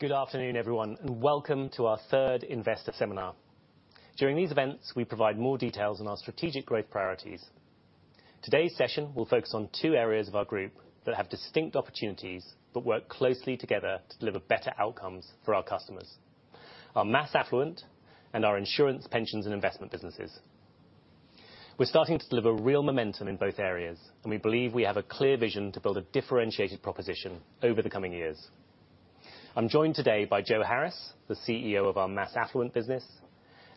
Good afternoon, everyone, and welcome to our third investor seminar. During these events, we provide more details on our strategic growth priorities. Today's session will focus on two areas of our group that have distinct opportunities, but work closely together to deliver better outcomes for our customers: our Mass Affluent and our Insurance, Pensions, and Investments businesses. We're starting to deliver real momentum in both areas, and we believe we have a clear vision to build a differentiated proposition over the coming years. I'm joined today by Jo Harris, the CEO of our Mass Affluent business,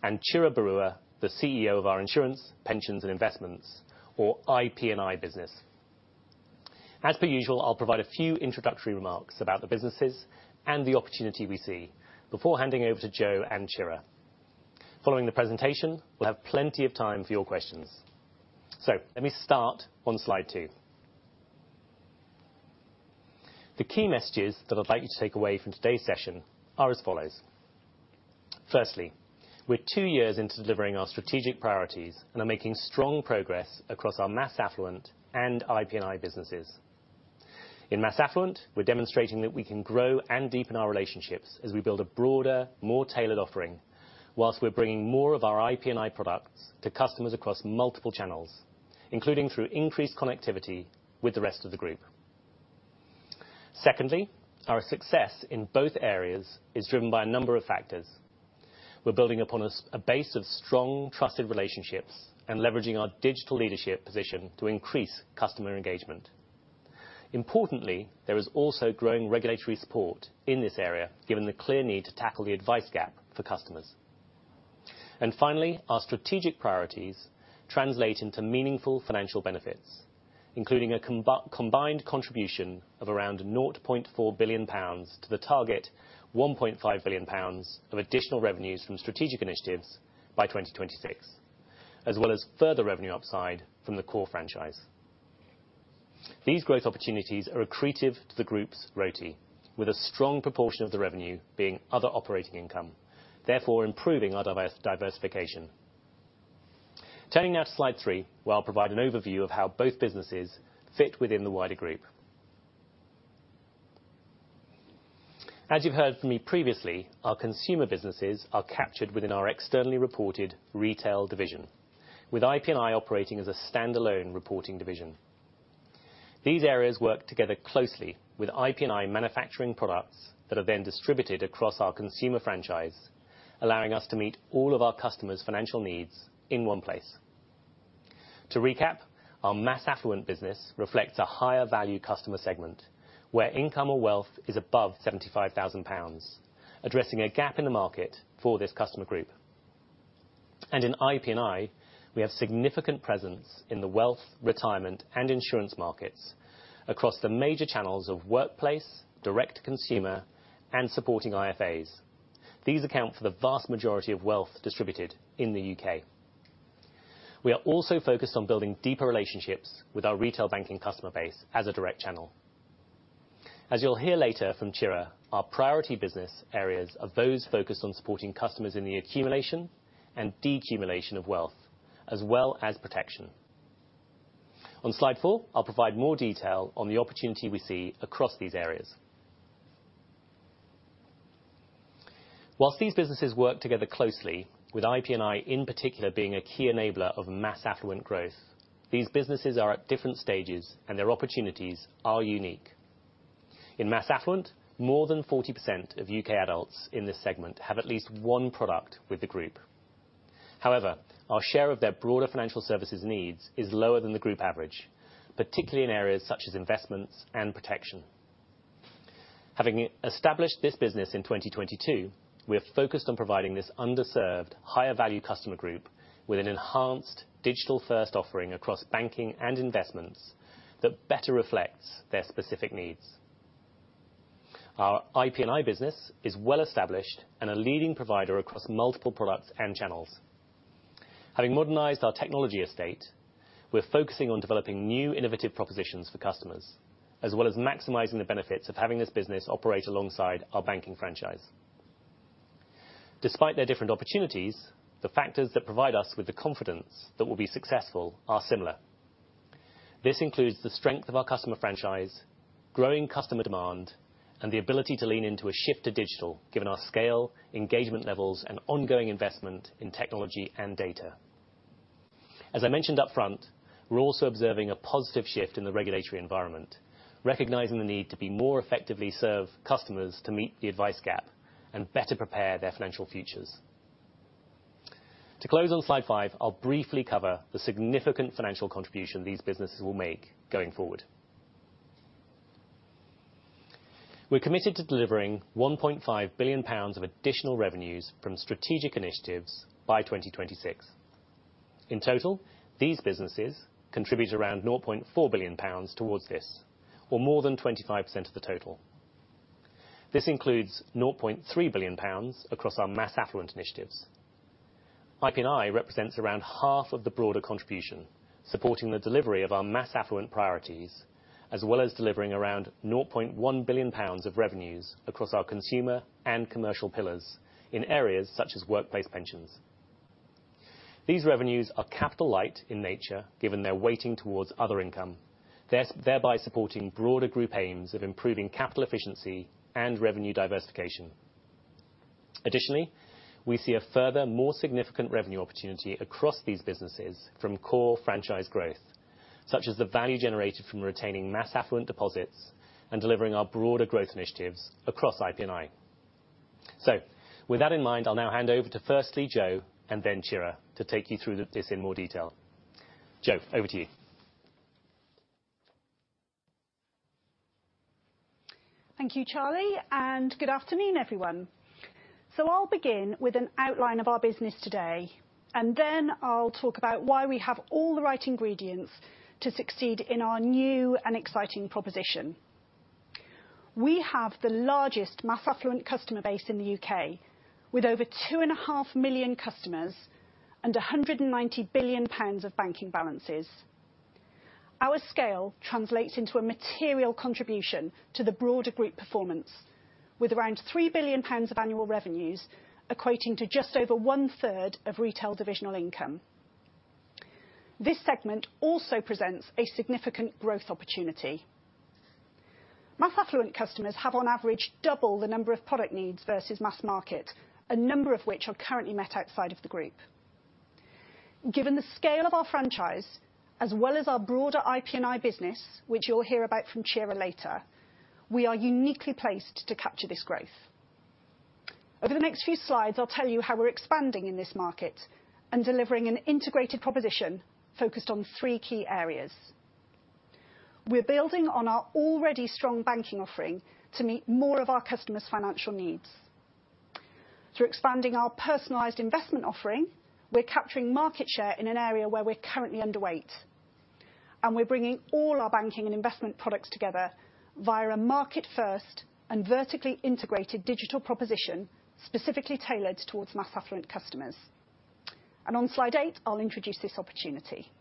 and Chira Barua, the CEO of our Insurance, Pensions, and Investments, or IP&I business. As per usual, I'll provide a few introductory remarks about the businesses and the opportunity we see before handing over to Jo and Chira. Following the presentation, we'll have plenty of time for your questions. So let me start on Slide 2. The key messages that I'd like you to take away from today's session are as follows: Firstly, we're 2 years into delivering our strategic priorities and are making strong progress across our Mass Affluent and IP&I businesses. In Mass Affluent, we're demonstrating that we can grow and deepen our relationships as we build a broader, more tailored offering, while we're bringing more of our IP&I products to customers across multiple channels, including through increased connectivity with the rest of the group. Secondly, our success in both areas is driven by a number of factors. We're building upon a base of strong, trusted relationships and leveraging our digital leadership position to increase customer engagement. Importantly, there is also growing regulatory support in this area, given the clear need to tackle the advice gap for customers. Finally, our strategic priorities translate into meaningful financial benefits, including a combined contribution of around 0.4 billion pounds to the target 1.5 billion pounds of additional revenues from strategic initiatives by 2026, as well as further revenue upside from the core franchise. These growth opportunities are accretive to the group's RoTE, with a strong proportion of the revenue being other operating income, therefore improving our diversification. Turning now to Slide 3, where I'll provide an overview of how both businesses fit within the wider group. As you've heard from me previously, our consumer businesses are captured within our externally reported retail division, with IP&I operating as a standalone reporting division. These areas work together closely with IP&I manufacturing products that are then distributed across our consumer franchise, allowing us to meet all of our customers' financial needs in one place. To recap, our Mass Affluent business reflects a higher value customer segment, where income or wealth is above 75,000 pounds, addressing a gap in the market for this customer group. In IP&I, we have significant presence in the wealth, retirement, and insurance markets across the major channels of workplace, direct consumer, and supporting IFAs. These account for the vast majority of wealth distributed in the UK. We are also focused on building deeper relationships with our retail banking customer base as a direct channel. As you'll hear later from Chira, our priority business areas are those focused on supporting customers in the accumulation and decumulation of wealth, as well as protection. On Slide 4, I'll provide more detail on the opportunity we see across these areas. While these businesses work together closely with IP&I, in particular, being a key enabler of Mass Affluent growth, these businesses are at different stages, and their opportunities are unique. In Mass Affluent, more than 40% of U.K. adults in this segment have at least one product with the group. However, our share of their broader financial services needs is lower than the group average, particularly in areas such as investments and protection. Having established this business in 2022, we are focused on providing this underserved, higher value customer group with an enhanced digital-first offering across banking and investments that better reflects their specific needs. Our IP&I business is well established and a leading provider across multiple products and channels. Having modernized our technology estate, we're focusing on developing new innovative propositions for customers, as well as maximizing the benefits of having this business operate alongside our banking franchise. Despite their different opportunities, the factors that provide us with the confidence that we'll be successful are similar. This includes the strength of our customer franchise, growing customer demand, and the ability to lean into a shift to digital, given our scale, engagement levels, and ongoing investment in technology and data. As I mentioned upfront, we're also observing a positive shift in the regulatory environment, recognizing the need to be more effectively serve customers to meet the advice gap and better prepare their financial futures. To close on Slide 5, I'll briefly cover the significant financial contribution these businesses will make going forward. We're committed to delivering 1.5 billion pounds of additional revenues from strategic initiatives by 2026. In total, these businesses contribute around 0.4 billion pounds towards this, or more than 25% of the total. This includes 0.3 billion pounds across our Mass Affluent initiatives. IP&I represents around half of the broader contribution, supporting the delivery of our Mass Affluent priorities, as well as delivering around 0.1 billion pounds of revenues across our consumer and commercial pillars in areas such as workplace pensions. These revenues are capital light in nature, given their weighting towards other income, thereby supporting broader group aims of improving capital efficiency and revenue diversification. Additionally, we see a further, more significant revenue opportunity across these businesses from core franchise growth, such as the value generated from retaining Mass Affluent deposits and delivering our broader growth initiatives across IP&I. So with that in mind, I'll now hand over to firstly Jo, and then Chira, to take you through this in more detail. Jo, over to you. Thank you, Charlie, and good afternoon, everyone. So I'll begin with an outline of our business today, and then I'll talk about why we have all the right ingredients to succeed in our new and exciting proposition. We have the largest mass affluent customer base in the UK, with over 2.5 million customers and 190 billion pounds of banking balances. Our scale translates into a material contribution to the broader group performance, with around 3 billion pounds of annual revenues, equating to just over 1/3 of retail divisional income. This segment also presents a significant growth opportunity. Mass affluent customers have, on average, double the number of product needs versus mass market, a number of which are currently met outside of the group. Given the scale of our franchise, as well as our broader IP&I business, which you'll hear about from Chira later, we are uniquely placed to capture this growth. Over the next few slides, I'll tell you how we're expanding in this market and delivering an integrated proposition focused on 3 key areas. We're building on our already strong banking offering to meet more of our customers' financial needs. Through expanding our personalized investment offering, we're capturing market share in an area where we're currently underweight, and we're bringing all our banking and investment products together via a market first and vertically integrated digital proposition, specifically tailored towards mass affluent customers. On slide 8, I'll introduce this opportunity.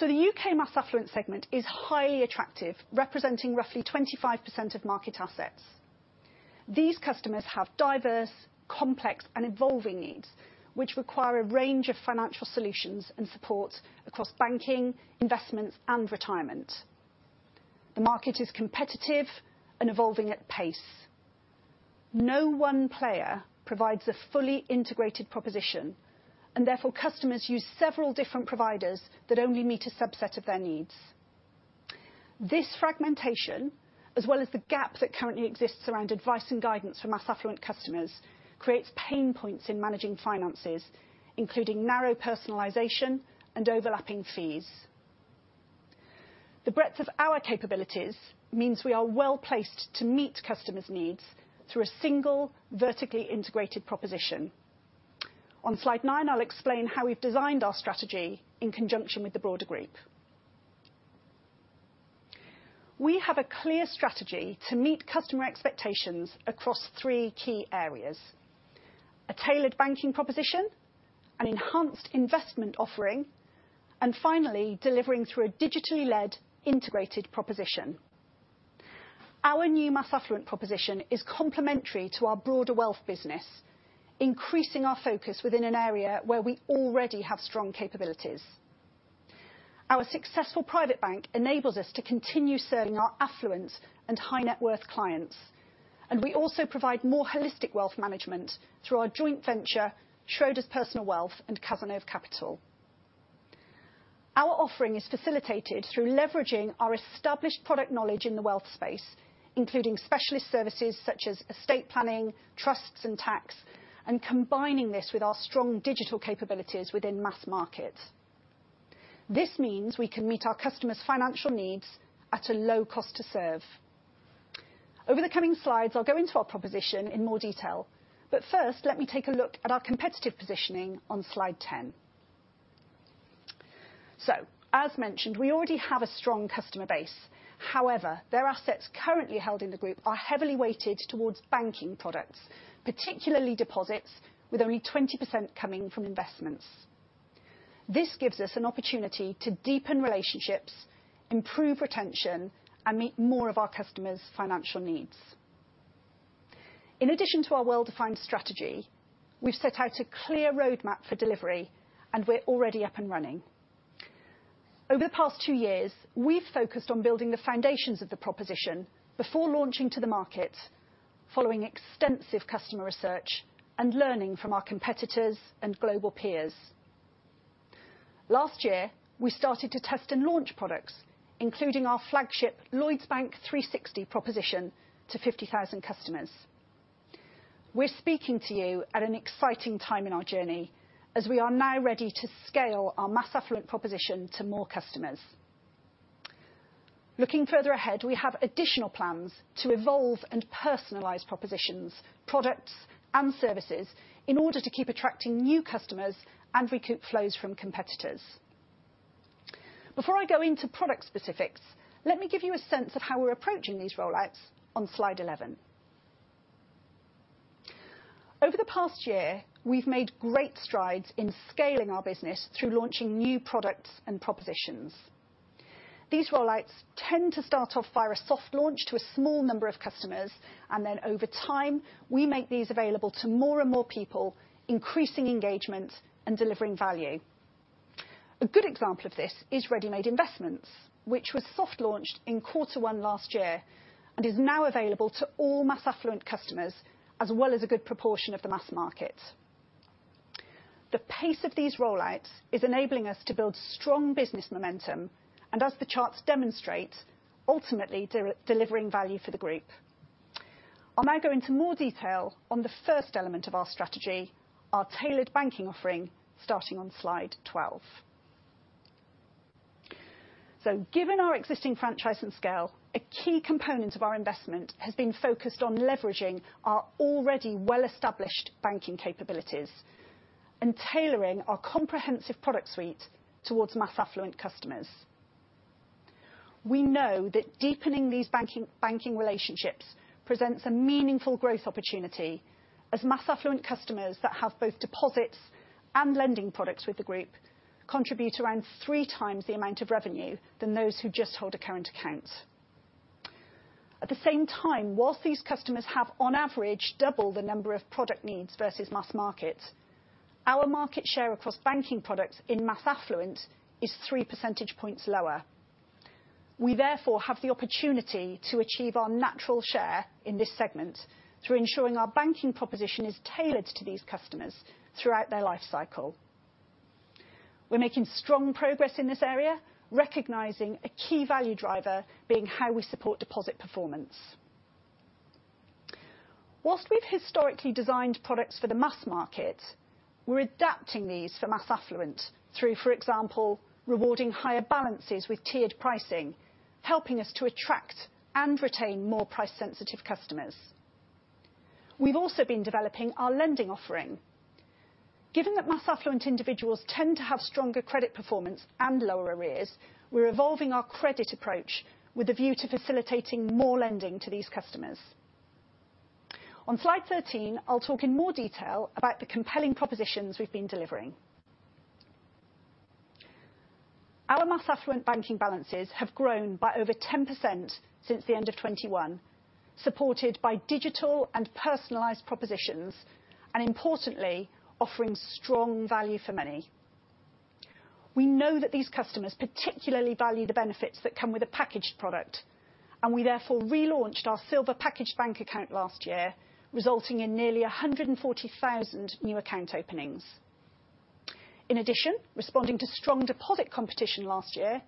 The U.K. mass affluent segment is highly attractive, representing roughly 25% of market assets. These customers have diverse, complex, and evolving needs, which require a range of financial solutions and support across banking, investments, and retirement. The market is competitive and evolving at pace. No one player provides a fully integrated proposition, and therefore, customers use several different providers that only meet a subset of their needs. This fragmentation, as well as the gap that currently exists around advice and guidance for mass affluent customers, creates pain points in managing finances, including narrow personalization and overlapping fees. The breadth of our capabilities means we are well placed to meet customers' needs through a single, vertically integrated proposition. On slide nine, I'll explain how we've designed our strategy in conjunction with the broader group. We have a clear strategy to meet customer expectations across three key areas: a tailored banking proposition, an enhanced investment offering, and finally, delivering through a digitally led integrated proposition. Our new mass affluent proposition is complementary to our broader wealth business, increasing our focus within an area where we already have strong capabilities. Our successful private bank enables us to continue serving our affluent and high net worth clients, and we also provide more holistic wealth management through our joint venture, Schroders Personal Wealth and Cazenove Capital. Our offering is facilitated through leveraging our established product knowledge in the wealth space, including specialist services such as estate planning, trusts, and tax, and combining this with our strong digital capabilities within mass market. This means we can meet our customers' financial needs at a low cost to serve. Over the coming slides, I'll go into our proposition in more detail, but first, let me take a look at our competitive positioning on slide 10. As mentioned, we already have a strong customer base. However, their assets currently held in the group are heavily weighted towards banking products, particularly deposits, with only 20% coming from investments. This gives us an opportunity to deepen relationships, improve retention, and meet more of our customers' financial needs. In addition to our well-defined strategy, we've set out a clear roadmap for delivery, and we're already up and running. Over the past two years, we've focused on building the foundations of the proposition before launching to the market, following extensive customer research and learning from our competitors and global peers. Last year, we started to test and launch products, including our flagship Lloyds Bank 360 proposition to 50,000 customers. We're speaking to you at an exciting time in our journey as we are now ready to scale our mass affluent proposition to more customers. Looking further ahead, we have additional plans to evolve and personalize propositions, products, and services in order to keep attracting new customers and recoup flows from competitors. Before I go into product specifics, let me give you a sense of how we're approaching these rollouts on slide 11. Over the past year, we've made great strides in scaling our business through launching new products and propositions. These rollouts tend to start off via a soft launch to a small number of customers, and then over time, we make these available to more and more people, increasing engagement and delivering value. A good example of this is Ready-Made Investments, which was soft launched in quarter one last year, and is now available to all Mass Affluent customers, as well as a good proportion of the mass market. The pace of these rollouts is enabling us to build strong business momentum, and as the charts demonstrate, ultimately delivering value for the group. I'll now go into more detail on the first element of our strategy, our tailored banking offering, starting on slide 12. So given our existing franchise and scale, a key component of our investment has been focused on leveraging our already well-established banking capabilities and tailoring our comprehensive product suite towards mass affluent customers. We know that deepening these banking relationships presents a meaningful growth opportunity, as mass affluent customers that have both deposits and lending products with the group contribute around three times the amount of revenue than those who just hold a current account. At the same time, while these customers have, on average, double the number of product needs versus mass market, our market share across banking products in Mass Affluent is 3 percentage points lower. We therefore have the opportunity to achieve our natural share in this segment through ensuring our banking proposition is tailored to these customers throughout their life cycle. We're making strong progress in this area, recognizing a key value driver being how we support deposit performance. While we've historically designed products for the mass market, we're adapting these for Mass Affluent through, for example, rewarding higher balances with tiered pricing, helping us to attract and retain more price-sensitive customers. We've also been developing our lending offering. Given that Mass Affluent individuals tend to have stronger credit performance and lower arrears, we're evolving our credit approach with a view to facilitating more lending to these customers. On Slide 13, I'll talk in more detail about the compelling propositions we've been delivering. Our mass affluent banking balances have grown by over 10% since the end of 2021, supported by digital and personalized propositions, and importantly, offering strong value for money. We know that these customers particularly value the benefits that come with a packaged product, and we therefore relaunched our Silver Package Bank account last year, resulting in nearly 140,000 new account openings. In addition, responding to strong deposit competition last year,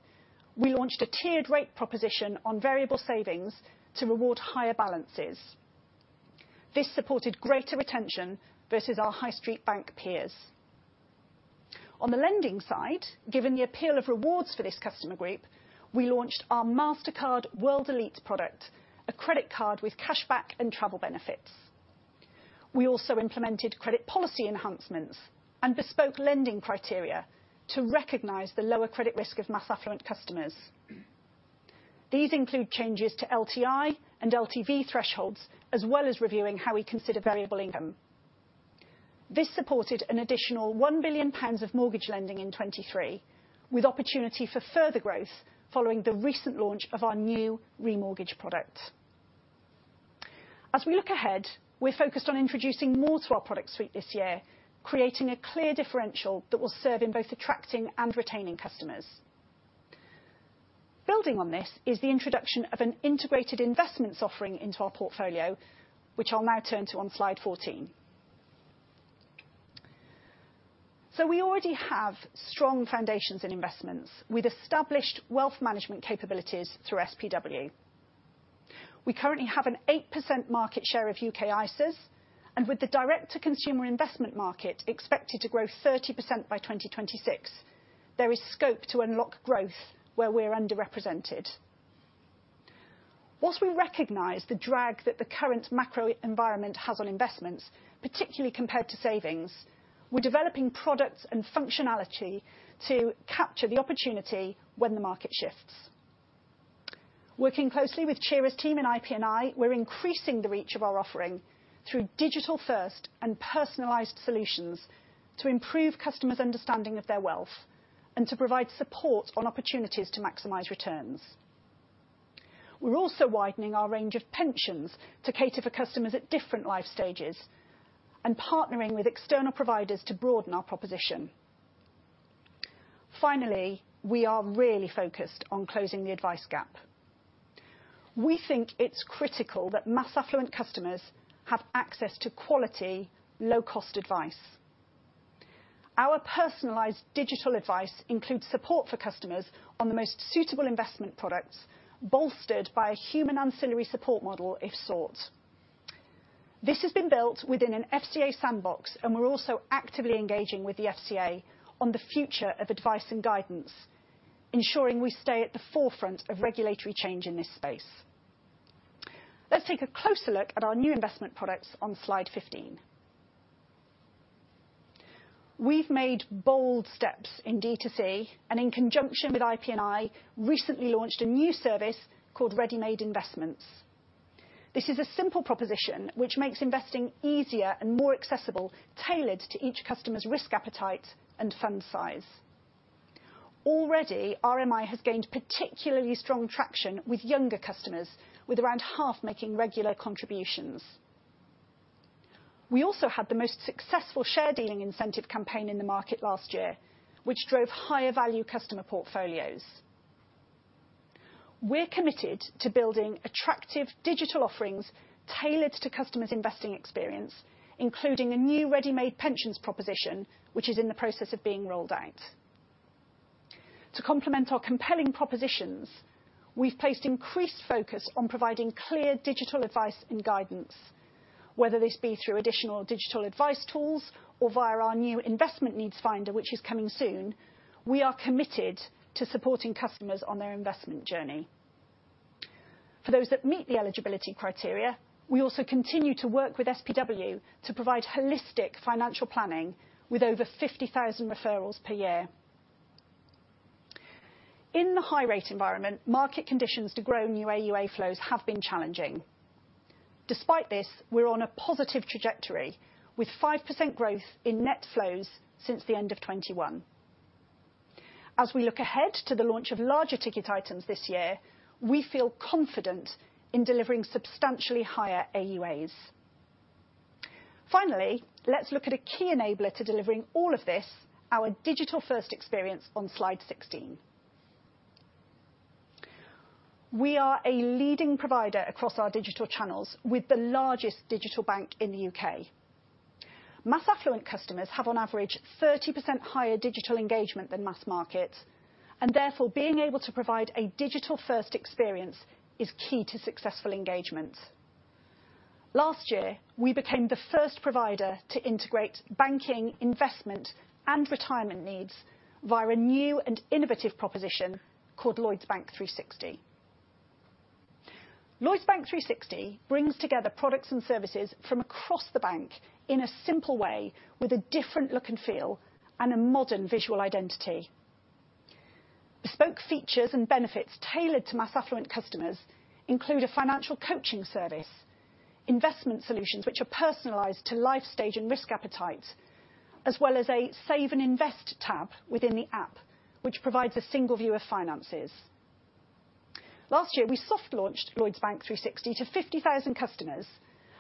we launched a tiered rate proposition on variable savings to reward higher balances. This supported greater retention versus our high street bank peers. On the lending side, given the appeal of rewards for this customer group, we launched our Mastercard World Elite product, a credit card with cashback and travel benefits. We also implemented credit policy enhancements and bespoke lending criteria to recognize the lower credit risk of mass affluent customers. These include changes to LTI and LTV thresholds, as well as reviewing how we consider variable income. This supported an additional 1 billion pounds of mortgage lending in 2023, with opportunity for further growth following the recent launch of our new remortgage product. As we look ahead, we're focused on introducing more to our product suite this year, creating a clear differential that will serve in both attracting and retaining customers. Building on this is the introduction of an integrated investments offering into our portfolio, which I'll now turn to on slide 14. So we already have strong foundations in investments with established wealth management capabilities through SPW. We currently have an 8% market share of U.K. ISAs, and with the direct-to-consumer investment market expected to grow 30% by 2026, there is scope to unlock growth where we're underrepresented. While we recognize the drag that the current macro environment has on investments, particularly compared to savings, we're developing products and functionality to capture the opportunity when the market shifts. Working closely with Chira's team in IP&I, we're increasing the reach of our offering through digital-first and personalized solutions to improve customers' understanding of their wealth and to provide support on opportunities to maximize returns. We're also widening our range of pensions to cater for customers at different life stages and partnering with external providers to broaden our proposition. Finally, we are really focused on closing the advice gap. We think it's critical that mass affluent customers have access to quality, low-cost advice. Our personalized digital advice includes support for customers on the most suitable investment products, bolstered by a human ancillary support model if sought. This has been built within an FCA sandbox, and we're also actively engaging with the FCA on the future of advice and guidance, ensuring we stay at the forefront of regulatory change in this space. Let's take a closer look at our new investment products on Slide 15. We've made bold steps in D2C, and in conjunction with IP&I, recently launched a new service called Ready-Made Investments. This is a simple proposition, which makes investing easier and more accessible, tailored to each customer's risk appetite and fund size. Already, RMI has gained particularly strong traction with younger customers, with around half making regular contributions. We also had the most successful share dealing incentive campaign in the market last year, which drove higher value customer portfolios. We're committed to building attractive digital offerings tailored to customers' investing experience, including a new Ready-Made Pensions proposition, which is in the process of being rolled out. To complement our compelling propositions, we've placed increased focus on providing clear digital advice and guidance. Whether this be through additional digital advice tools or via our new Investment Needs Finder, which is coming soon, we are committed to supporting customers on their investment journey. For those that meet the eligibility criteria, we also continue to work with SPW to provide holistic financial planning with over 50,000 referrals per year. In the high rate environment, market conditions to grow new AUA flows have been challenging. Despite this, we're on a positive trajectory, with 5% growth in net flows since the end of 2021. As we look ahead to the launch of larger ticket items this year, we feel confident in delivering substantially higher AUAs. Finally, let's look at a key enabler to delivering all of this, our digital-first experience on slide 16. We are a leading provider across our digital channels with the largest digital bank in the UK. Mass Affluent customers have on average 30% higher digital engagement than mass market, and therefore, being able to provide a digital-first experience is key to successful engagement. Last year, we became the first provider to integrate banking, investment, and retirement needs via a new and innovative proposition called Lloyds Bank 360. Lloyds Bank 360 brings together products and services from across the bank in a simple way, with a different look and feel and a modern visual identity. Bespoke features and benefits tailored to Mass Affluent customers include a financial coaching service, investment solutions which are personalized to life stage and risk appetite, as well as a Save & Invest tab within the app, which provides a single view of finances. Last year, we soft launched Lloyds Bank 360 to 50,000 customers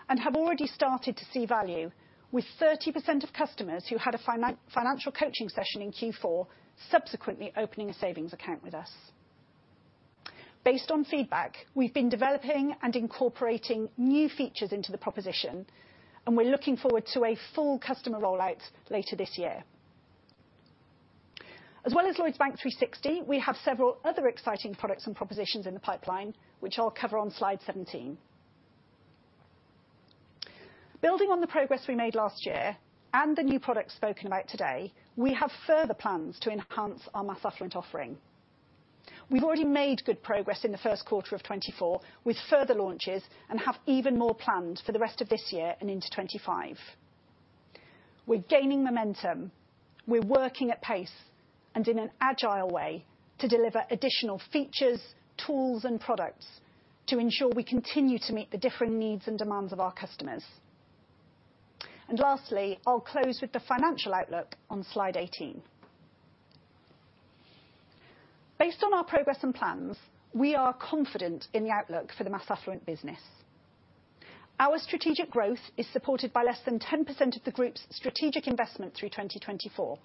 and have already started to see value, with 30% of customers who had a financial coaching session in Q4 subsequently opening a savings account with us. Based on feedback, we've been developing and incorporating new features into the proposition, and we're looking forward to a full customer rollout later this year. As well as Lloyds Bank 360, we have several other exciting products and propositions in the pipeline, which I'll cover on slide 17. Building on the progress we made last year and the new products spoken about today, we have further plans to enhance our mass affluent offering. We've already made good progress in the first quarter of 2024 with further launches, and have even more planned for the rest of this year and into 2025. We're gaining momentum, we're working at pace and in an agile way to deliver additional features, tools and products to ensure we continue to meet the different needs and demands of our customers. And lastly, I'll close with the financial outlook on slide 18. Based on our progress and plans, we are confident in the outlook for the Mass Affluent business. Our strategic growth is supported by less than 10% of the group's strategic investment through 2024.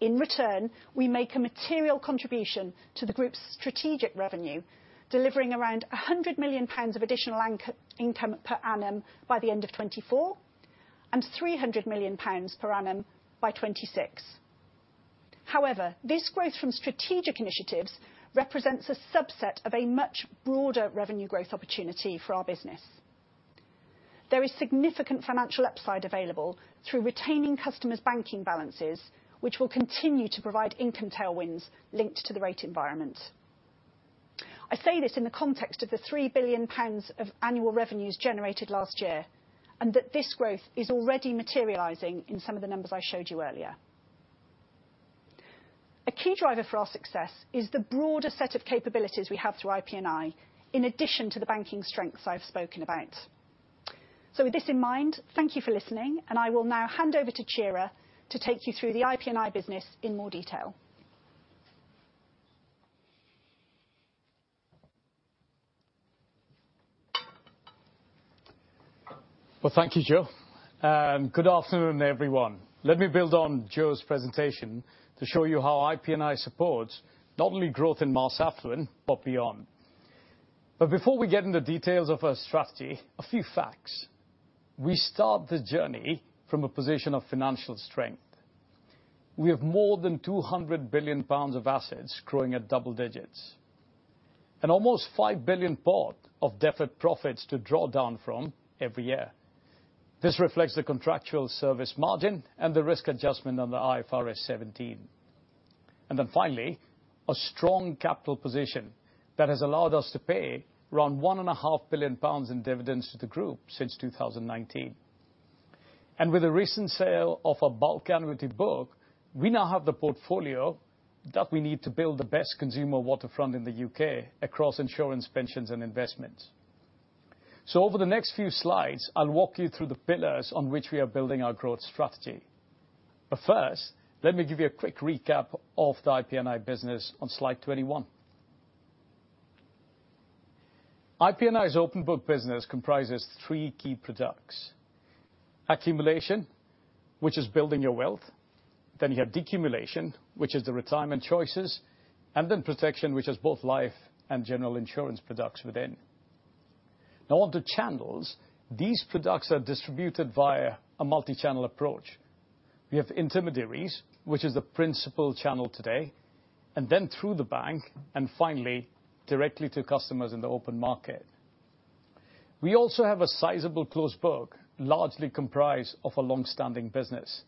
In return, we make a material contribution to the group's strategic revenue, delivering around 100 million pounds of additional income per annum by the end of 2024, and 300 million pounds per annum by 2026. However, this growth from strategic initiatives represents a subset of a much broader revenue growth opportunity for our business. There is significant financial upside available through retaining customers' banking balances, which will continue to provide income tailwinds linked to the rate environment. I say this in the context of the 3 billion pounds of annual revenues generated last year, and that this growth is already materializing in some of the numbers I showed you earlier. A key driver for our success is the broader set of capabilities we have through IP&I, in addition to the banking strengths I've spoken about. So with this in mind, thank you for listening, and I will now hand over to Chira to take you through the IP&I business in more detail. Well, thank you, Jo, and good afternoon, everyone. Let me build on Jo's presentation to show you how IP&I supports not only growth in Mass Affluent, but beyond. But before we get in the details of our strategy, a few facts. We start this journey from a position of financial strength. We have more than 200 billion pounds of assets growing at double digits, and almost 5 billion of deferred profits to draw down from every year. This reflects the contractual service margin and the risk adjustment on the IFRS 17. And then finally, a strong capital position that has allowed us to pay around 1.5 billion pounds in dividends to the group since 2019. With the recent sale of our bulk annuity book, we now have the portfolio that we need to build the best consumer waterfront in the U.K. across insurance, pensions, and investments. Over the next few slides, I'll walk you through the pillars on which we are building our growth strategy. First, let me give you a quick recap of the IP&I business on slide 21. IP&I's open book business comprises three key products: accumulation, which is building your wealth. Then you have decumulation, which is the retirement choices. And then protection, which is both life and general insurance products within. Now, on the channels, these products are distributed via a multi-channel approach. We have intermediaries, which is the principal channel today, and then through the bank, and finally, directly to customers in the open market. We also have a sizable closed book, largely comprised of a long-standing business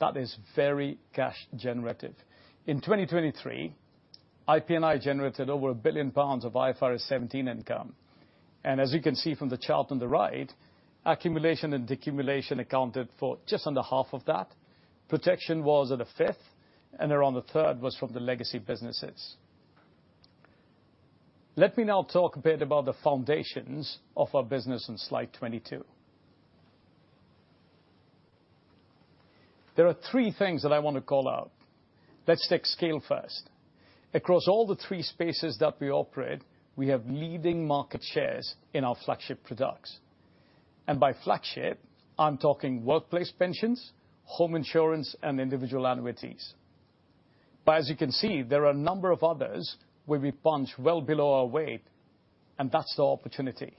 that is very cash generative. In 2023, IP&I generated over 1 billion pounds of IFRS 17 income. And as you can see from the chart on the right, accumulation and decumulation accounted for just under half of that. Protection was at a fifth, and around a third was from the legacy businesses. Let me now talk a bit about the foundations of our business on slide 22. There are three things that I want to call out. Let's take scale first. Across all the three spaces that we operate, we have leading market shares in our flagship products. And by flagship, I'm talking workplace pensions, home insurance, and individual annuities. But as you can see, there are a number of others where we punch well below our weight, and that's the opportunity.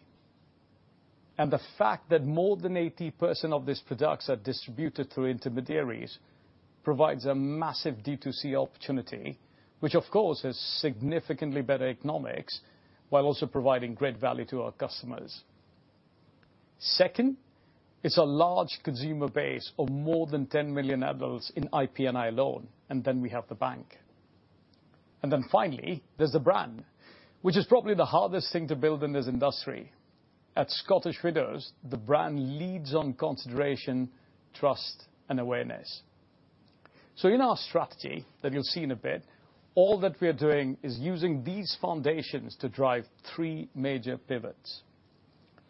And the fact that more than 80% of these products are distributed through intermediaries provides a massive D2C opportunity, which, of course, has significantly better economics, while also providing great value to our customers. Second, it's a large consumer base of more than 10 million adults in IP&I alone, and then we have the bank. And then finally, there's the brand, which is probably the hardest thing to build in this industry. At Scottish Widows, the brand leads on consideration, trust, and awareness. So in our strategy, that you'll see in a bit, all that we are doing is using these foundations to drive three major pivots.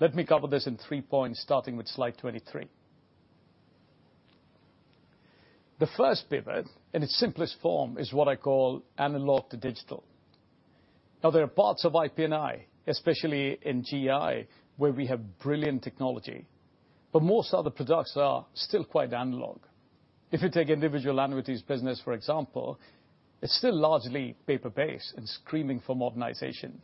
Let me cover this in three points, starting with slide 23. The first pivot, in its simplest form, is what I call analog to digital. Now, there are parts of IP&I, especially in GI, where we have brilliant technology, but most other products are still quite analog. If you take individual annuities business, for example, it's still largely paper-based and screaming for modernization.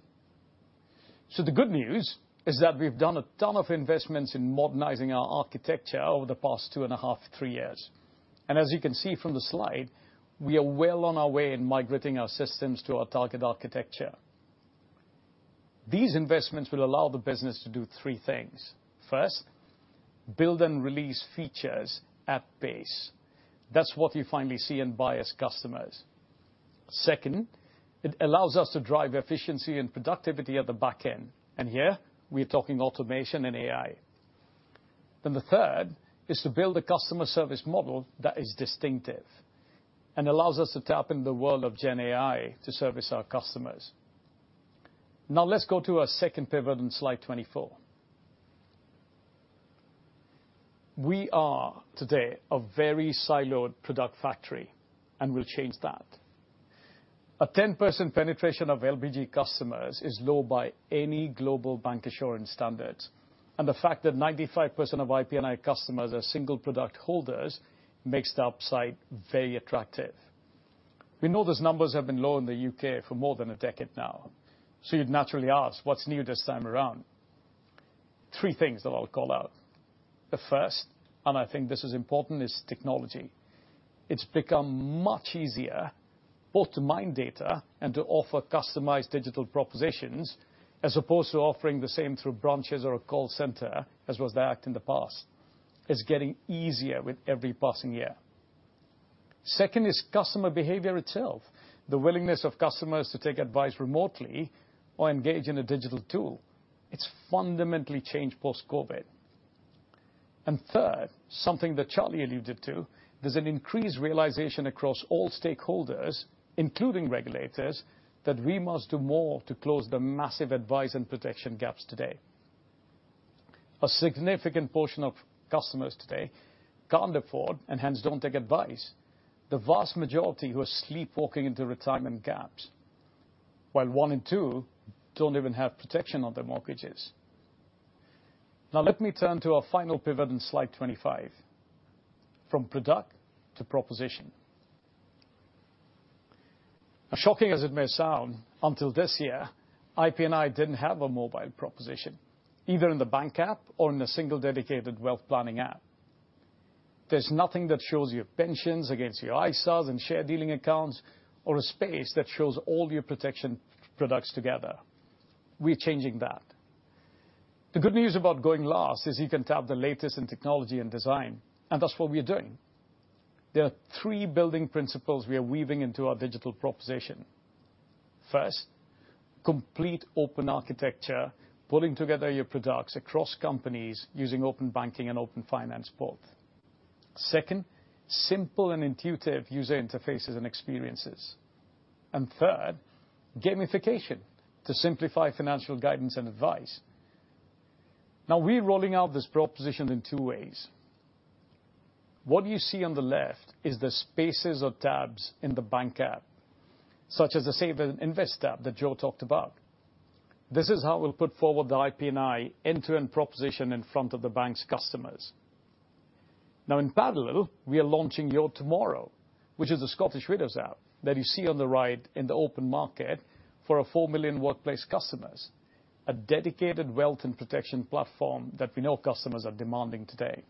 So the good news is that we've done a ton of investments in modernizing our architecture over the past 2.5-3 years. As you can see from the slide, we are well on our way in migrating our systems to our target architecture. These investments will allow the business to do three things. First, build and release features at pace. That's what you finally see in our customers. Second, it allows us to drive efficiency and productivity at the back end, and here we are talking automation and AI. Then the third is to build a customer service model that is distinctive and allows us to tap in the world of GenAI to service our customers. Now, let's go to our second pivot on slide 24. We are today a very siloed product factory, and we'll change that. A 10% penetration of LBG customers is low by any global bancassurance standards, and the fact that 95% of IP&I customers are single product holders makes the upside very attractive. We know these numbers have been low in the U.K. for more than a decade now, so you'd naturally ask, what's new this time around? Three things that I'll call out. The first, and I think this is important, is technology. It's become much easier both to mine data and to offer customized digital propositions, as opposed to offering the same through branches or a call center, as was the case in the past. It's getting easier with every passing year. Second is customer behavior itself. The willingness of customers to take advice remotely or engage in a digital tool. It's fundamentally changed post-COVID. And third, something that Charlie alluded to, there's an increased realization across all stakeholders, including regulators, that we must do more to close the massive advice and protection gaps today. A significant portion of customers today can't afford, and hence don't take advice. The vast majority who are sleepwalking into retirement gaps, while one in two don't even have protection on their mortgages. Now, let me turn to our final pivot on slide 25, from product to proposition. Now, shocking as it may sound, until this year, IP&I didn't have a mobile proposition, either in the bank app or in a single dedicated wealth planning app. There's nothing that shows your pensions against your ISAs and share dealing accounts or a space that shows all your protection products together. We're changing that. The good news about going last is you can tap the latest in technology and design, and that's what we are doing. There are three building principles we are weaving into our digital proposition. First, complete open architecture, pulling together your products across companies using open banking and open finance both. Second, simple and intuitive user interfaces and experiences. And third, gamification to simplify financial guidance and advice. Now, we're rolling out this proposition in two ways. What you see on the left is the spaces or tabs in the bank app, such as the Save & Invest tab that Joe talked about. This is how we'll put forward the IP&I end-to-end proposition in front of the bank's customers. Now, in parallel, we are launching Your Tomorrow, which is the Scottish Widows app that you see on the right in the open market for our 4 million workplace customers, a dedicated wealth and protection platform that we know customers are demanding today.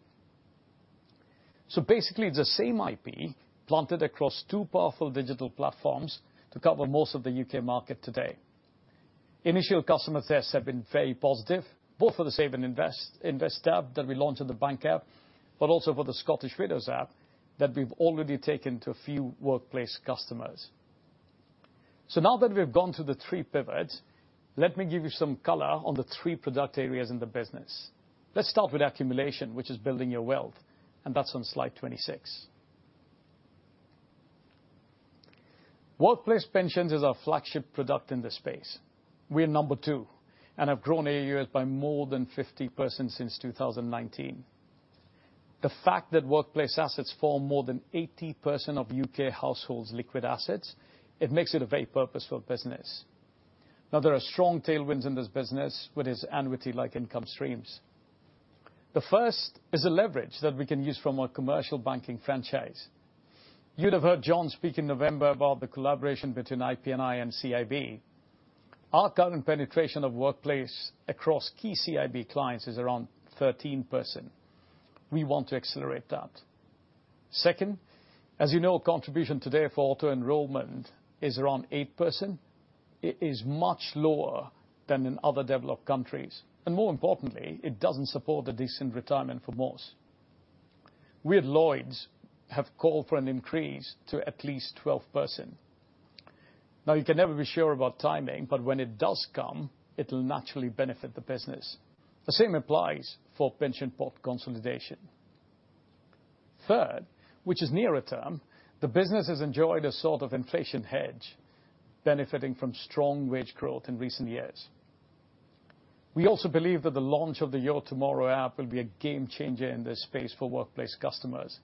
So basically, the same IP planted across two powerful digital platforms to cover most of the U.K. market today. Initial customer tests have been very positive, both for the Save & Invest, Invest tab that we launched in the bank app, but also for the Scottish Widows app that we've already taken to a few workplace customers. So now that we've gone through the three pivots, let me give you some color on the three product areas in the business. Let's start with accumulation, which is building your wealth, and that's on slide 26. Workplace pensions is our flagship product in this space. We are number 2, and have grown AUA by more than 50% since 2019. The fact that workplace assets form more than 80% of U.K. households' liquid assets. It makes it a very purposeful business. Now, there are strong tailwinds in this business with its annuity-like income streams. The first is a leverage that we can use from our commercial banking franchise. You'd have heard John speak in November about the collaboration between IP&I and CIB. Our current penetration of workplace across key CIB clients is around 13%. We want to accelerate that. Second, as you know, contribution today for auto-enrollment is around 8%. It is much lower than in other developed countries, and more importantly, it doesn't support a decent retirement for most. We at Lloyds have called for an increase to at least 12%. Now, you can never be sure about timing, but when it does come, it'll naturally benefit the business. The same applies for pension pot consolidation. third which is nearer term, the business has enjoyed a sort of inflation hedge, benefiting from strong wage growth in recent years. We also believe that the launch of the Your Tomorrow app will be a game changer in this space for workplace customers.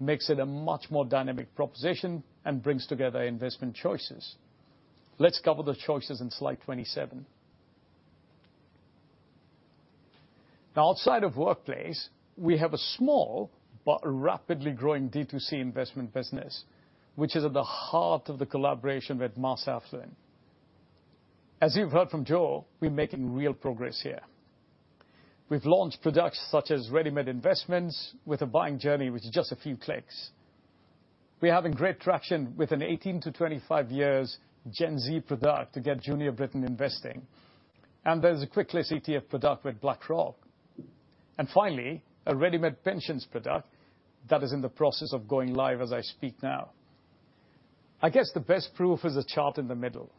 Makes it a much more dynamic proposition and brings together investment choices. Let's cover the choices in slide 27. Now, outside of workplace, we have a small but rapidly growing D2C investment business, which is at the heart of the collaboration with Mass Affluent. As you've heard from Jo, we're making real progress here. We've launched products such as Ready-Made Investments with a buying journey, which is just a few clicks. We're having great traction with an 18-25 years Gen Z product to get junior Britain investing, and there's a Quicklist ETF product with BlackRock. Finally, a Ready-Made Pensions product that is in the process of going live as I speak now. I guess the best proof is the chart in the middle.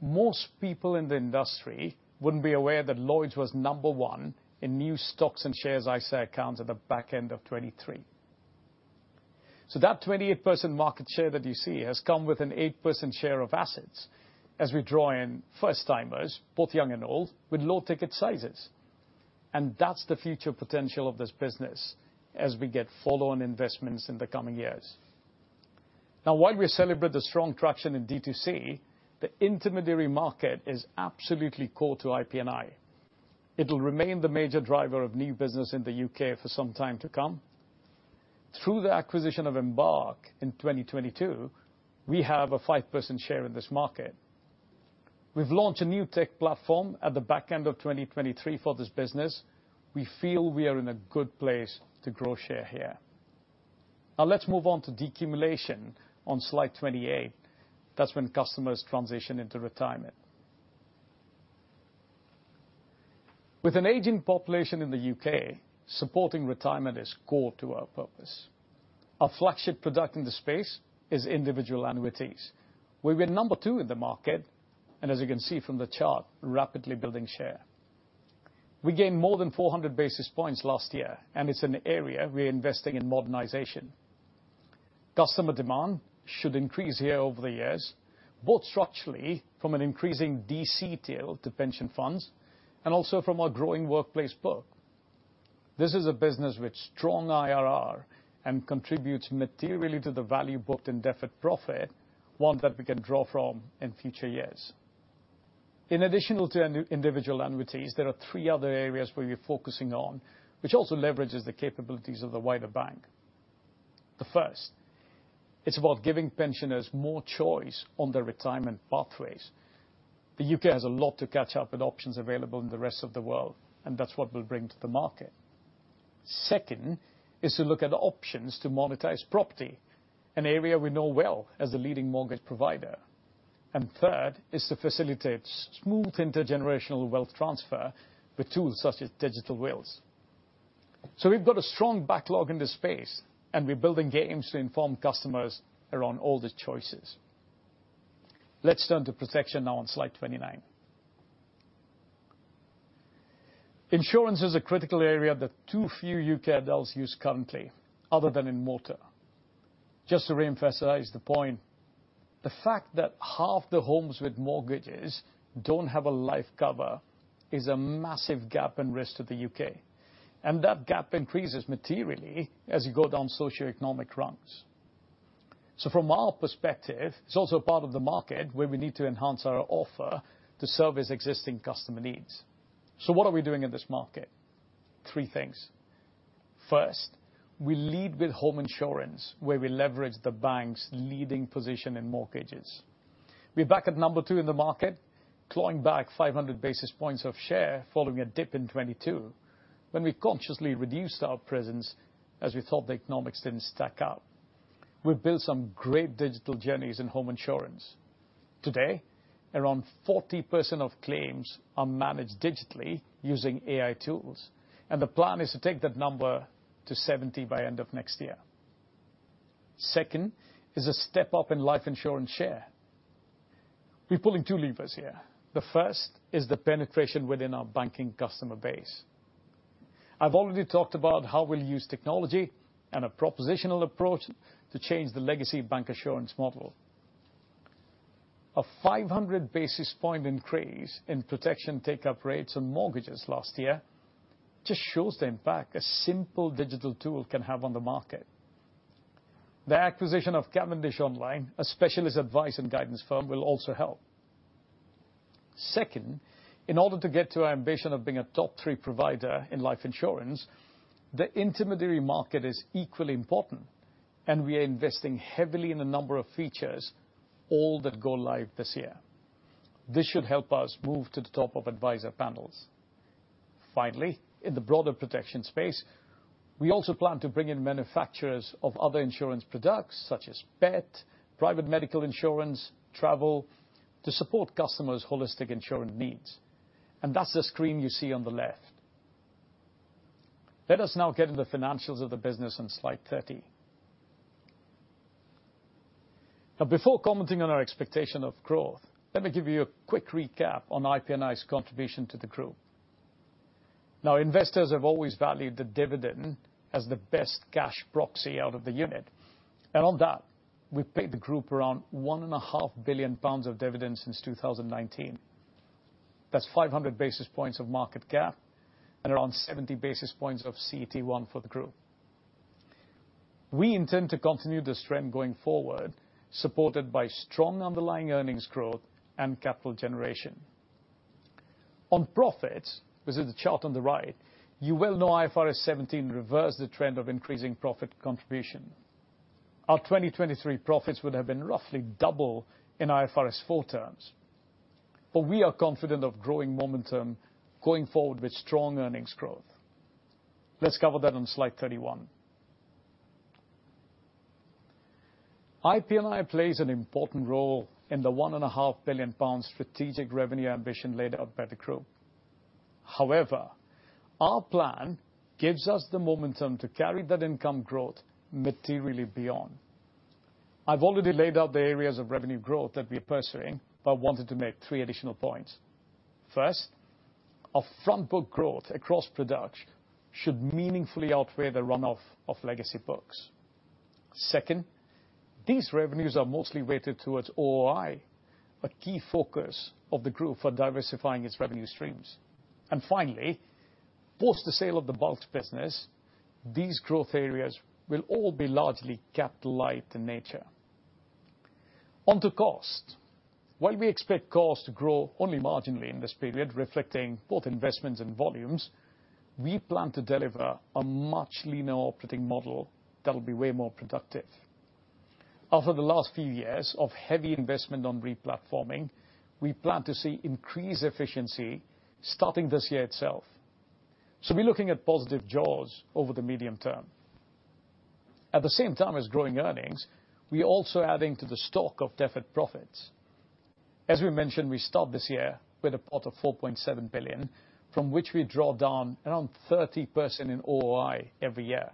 Most people in the industry wouldn't be aware that Lloyds was number one in new stocks and shares ISA accounts at the back end of 2023. That 28% market share that you see has come with an 8% share of assets as we draw in first-timers, both young and old, with low ticket sizes. That's the future potential of this business as we get follow-on investments in the coming years. Now, while we celebrate the strong traction in D2C, the intermediary market is absolutely core to IP&I. It will remain the major driver of new business in the U.K. for some time to come. Through the acquisition of Embark in 2022, we have a 5% share in this market. We've launched a new tech platform at the back end of 2023 for this business. We feel we are in a good place to grow share here. Now let's move on to decumulation on slide 28. That's when customers transition into retirement. With an aging population in the U.K., supporting retirement is core to our purpose. Our flagship product in the space is individual annuities. We were number two in the market, and as you can see from the chart, rapidly building share. We gained more than 400 basis points last year, and it's an area we're investing in modernization. Customer demand should increase here over the years, both structurally from an increasing DC tail to pension funds and also from our growing workplace book. This is a business with strong IRR and contributes materially to the value both in deferred profit, one that we can grow from in future years. In addition to our new individual annuities, there are three other areas where we're focusing on, which also leverages the capabilities of the wider bank. The first, it's about giving pensioners more choice on their retirement pathways. The U.K. has a lot to catch up with options available in the rest of the world, and that's what we'll bring to the market. Second, is to look at options to monetize property, an area we know well as a leading mortgage provider. And third, is to facilitate smooth intergenerational wealth transfer with tools such as digital wills. So we've got a strong backlog in this space, and we're building games to inform customers around all the choices. Let's turn to protection now on slide 29. Insurance is a critical area that too few U.K. adults use currently, other than in motor. Just to reemphasize the point, the fact that half the homes with mortgages don't have a life cover is a massive gap in risk to the U.K., and that gap increases materially as you go down socioeconomic rungs. So from our perspective, it's also a part of the market where we need to enhance our offer to serve as existing customer needs. So what are we doing in this market? 3 things: First, we lead with home insurance, where we leverage the bank's leading position in mortgages. We're back at number 2 in the market, clawing back 500 basis points of share following a dip in 2022, when we consciously reduced our presence as we thought the economics didn't stack up. We've built some great digital journeys in home insurance. Today, around 40% of claims are managed digitally using AI tools, and the plan is to take that number to 70% by end of next year. Second, is a step up in life insurance share. We're pulling two levers here. The first is the penetration within our banking customer base. I've already talked about how we'll use technology and a propositional approach to change the legacy bancassurance model. A 500 basis point increase in protection take-up rates and mortgages last year just shows the impact a simple digital tool can have on the market. The acquisition of Cavendish Online, a specialist advice and guidance firm, will also help. Second, in order to get to our ambition of being a top three provider in life insurance, the intermediary market is equally important, and we are investing heavily in a number of features, all that go live this year. This should help us move to the top of advisor panels. Finally, in the broader protection space, we also plan to bring in manufacturers of other insurance products, such as pet, private medical insurance, travel, to support customers' holistic insurance needs, and that's the screen you see on the left. Let us now get into the financials of the business on slide 30. Now, before commenting on our expectation of growth, let me give you a quick recap on IP&I's contribution to the group. Now, investors have always valued the dividend as the best cash proxy out of the unit, and on that, we've paid the group around 1.5 billion pounds of dividends since 2019. That's 500 basis points of market cap and around 70 basis points of CET1 for the group. We intend to continue this trend going forward, supported by strong underlying earnings growth and capital generation. On profits, this is the chart on the right, you well know IFRS 17 reversed the trend of increasing profit contribution. Our 2023 profits would have been roughly double in IFRS 4 terms, but we are confident of growing momentum going forward with strong earnings growth. Let's cover that on slide 31. IP&I plays an important role in the 1.5 billion pounds strategic revenue ambition laid out by the group. However, our plan gives us the momentum to carry that income growth materially beyond. I've already laid out the areas of revenue growth that we are pursuing, but I wanted to make three additional points. First, our front book growth across products should meaningfully outweigh the run-off of legacy books. Second, these revenues are mostly weighted towards OOI, a key focus of the group for diversifying its revenue streams. And finally, post the sale of the bulk business, these growth areas will all be largely capital light in nature. Onto cost. While we expect costs to grow only marginally in this period, reflecting both investments and volumes, we plan to deliver a much leaner operating model that will be way more productive. After the last few years of heavy investment on re-platforming, we plan to see increased efficiency starting this year itself. So we're looking at positive jaws over the medium term. At the same time as growing earnings, we are also adding to the stock of deferred profits. As we mentioned, we start this year with a pot of 4.7 billion, from which we draw down around 30% in OOI every year.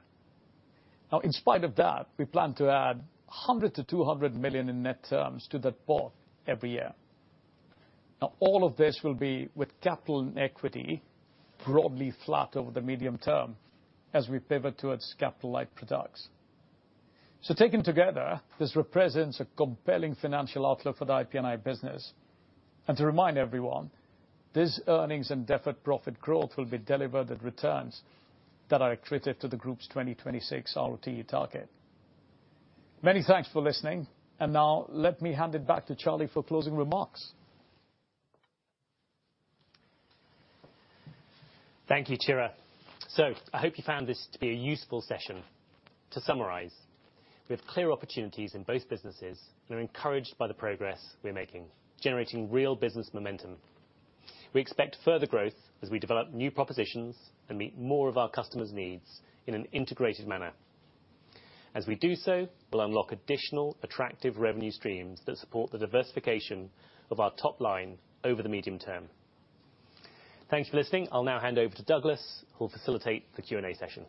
Now, in spite of that, we plan to add 100-200 million in net terms to that pot every year. Now, all of this will be with capital and equity broadly flat over the medium term as we pivot towards capital light products. Taken together, this represents a compelling financial outlook for the IP&I business. To remind everyone, this earnings and deferred profit growth will be delivered at returns that are accretive to the group's 2026 ROT target. Many thanks for listening, and now let me hand it back to Charlie for closing remarks. Thank you, Chira. So I hope you found this to be a useful session. To summarize, we have clear opportunities in both businesses and are encouraged by the progress we're making, generating real business momentum. We expect further growth as we develop new propositions and meet more of our customers' needs in an integrated manner. As we do so, we'll unlock additional attractive revenue streams that support the diversification of our top line over the medium term. Thank you for listening. I'll now hand over to Douglas, who will facilitate the Q&A session.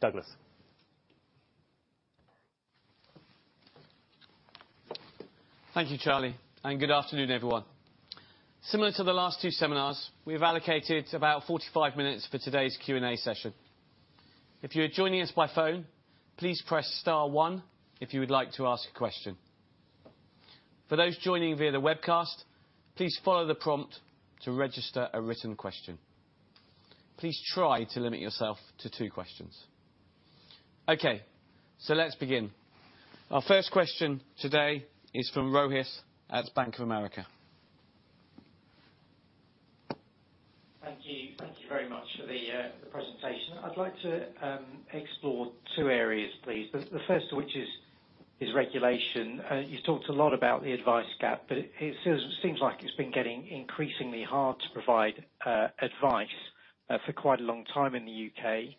Douglas? Thank you, Charlie, and good afternoon, everyone. Similar to the last two seminars, we have allocated about 45 minutes for today's Q&A session. If you are joining us by phone, please press star one if you would like to ask a question. For those joining via the webcast, please follow the prompt to register a written question. Please try to limit yourself to two questions. Okay, so let's begin. Our first question today is from Rohit at Bank of America. Thank you very much for the presentation. I'd like to explore two areas, please. The first of which is regulation. You talked a lot about the advice gap, but it seems like it's been getting increasingly hard to provide advice for quite a long time in the U.K.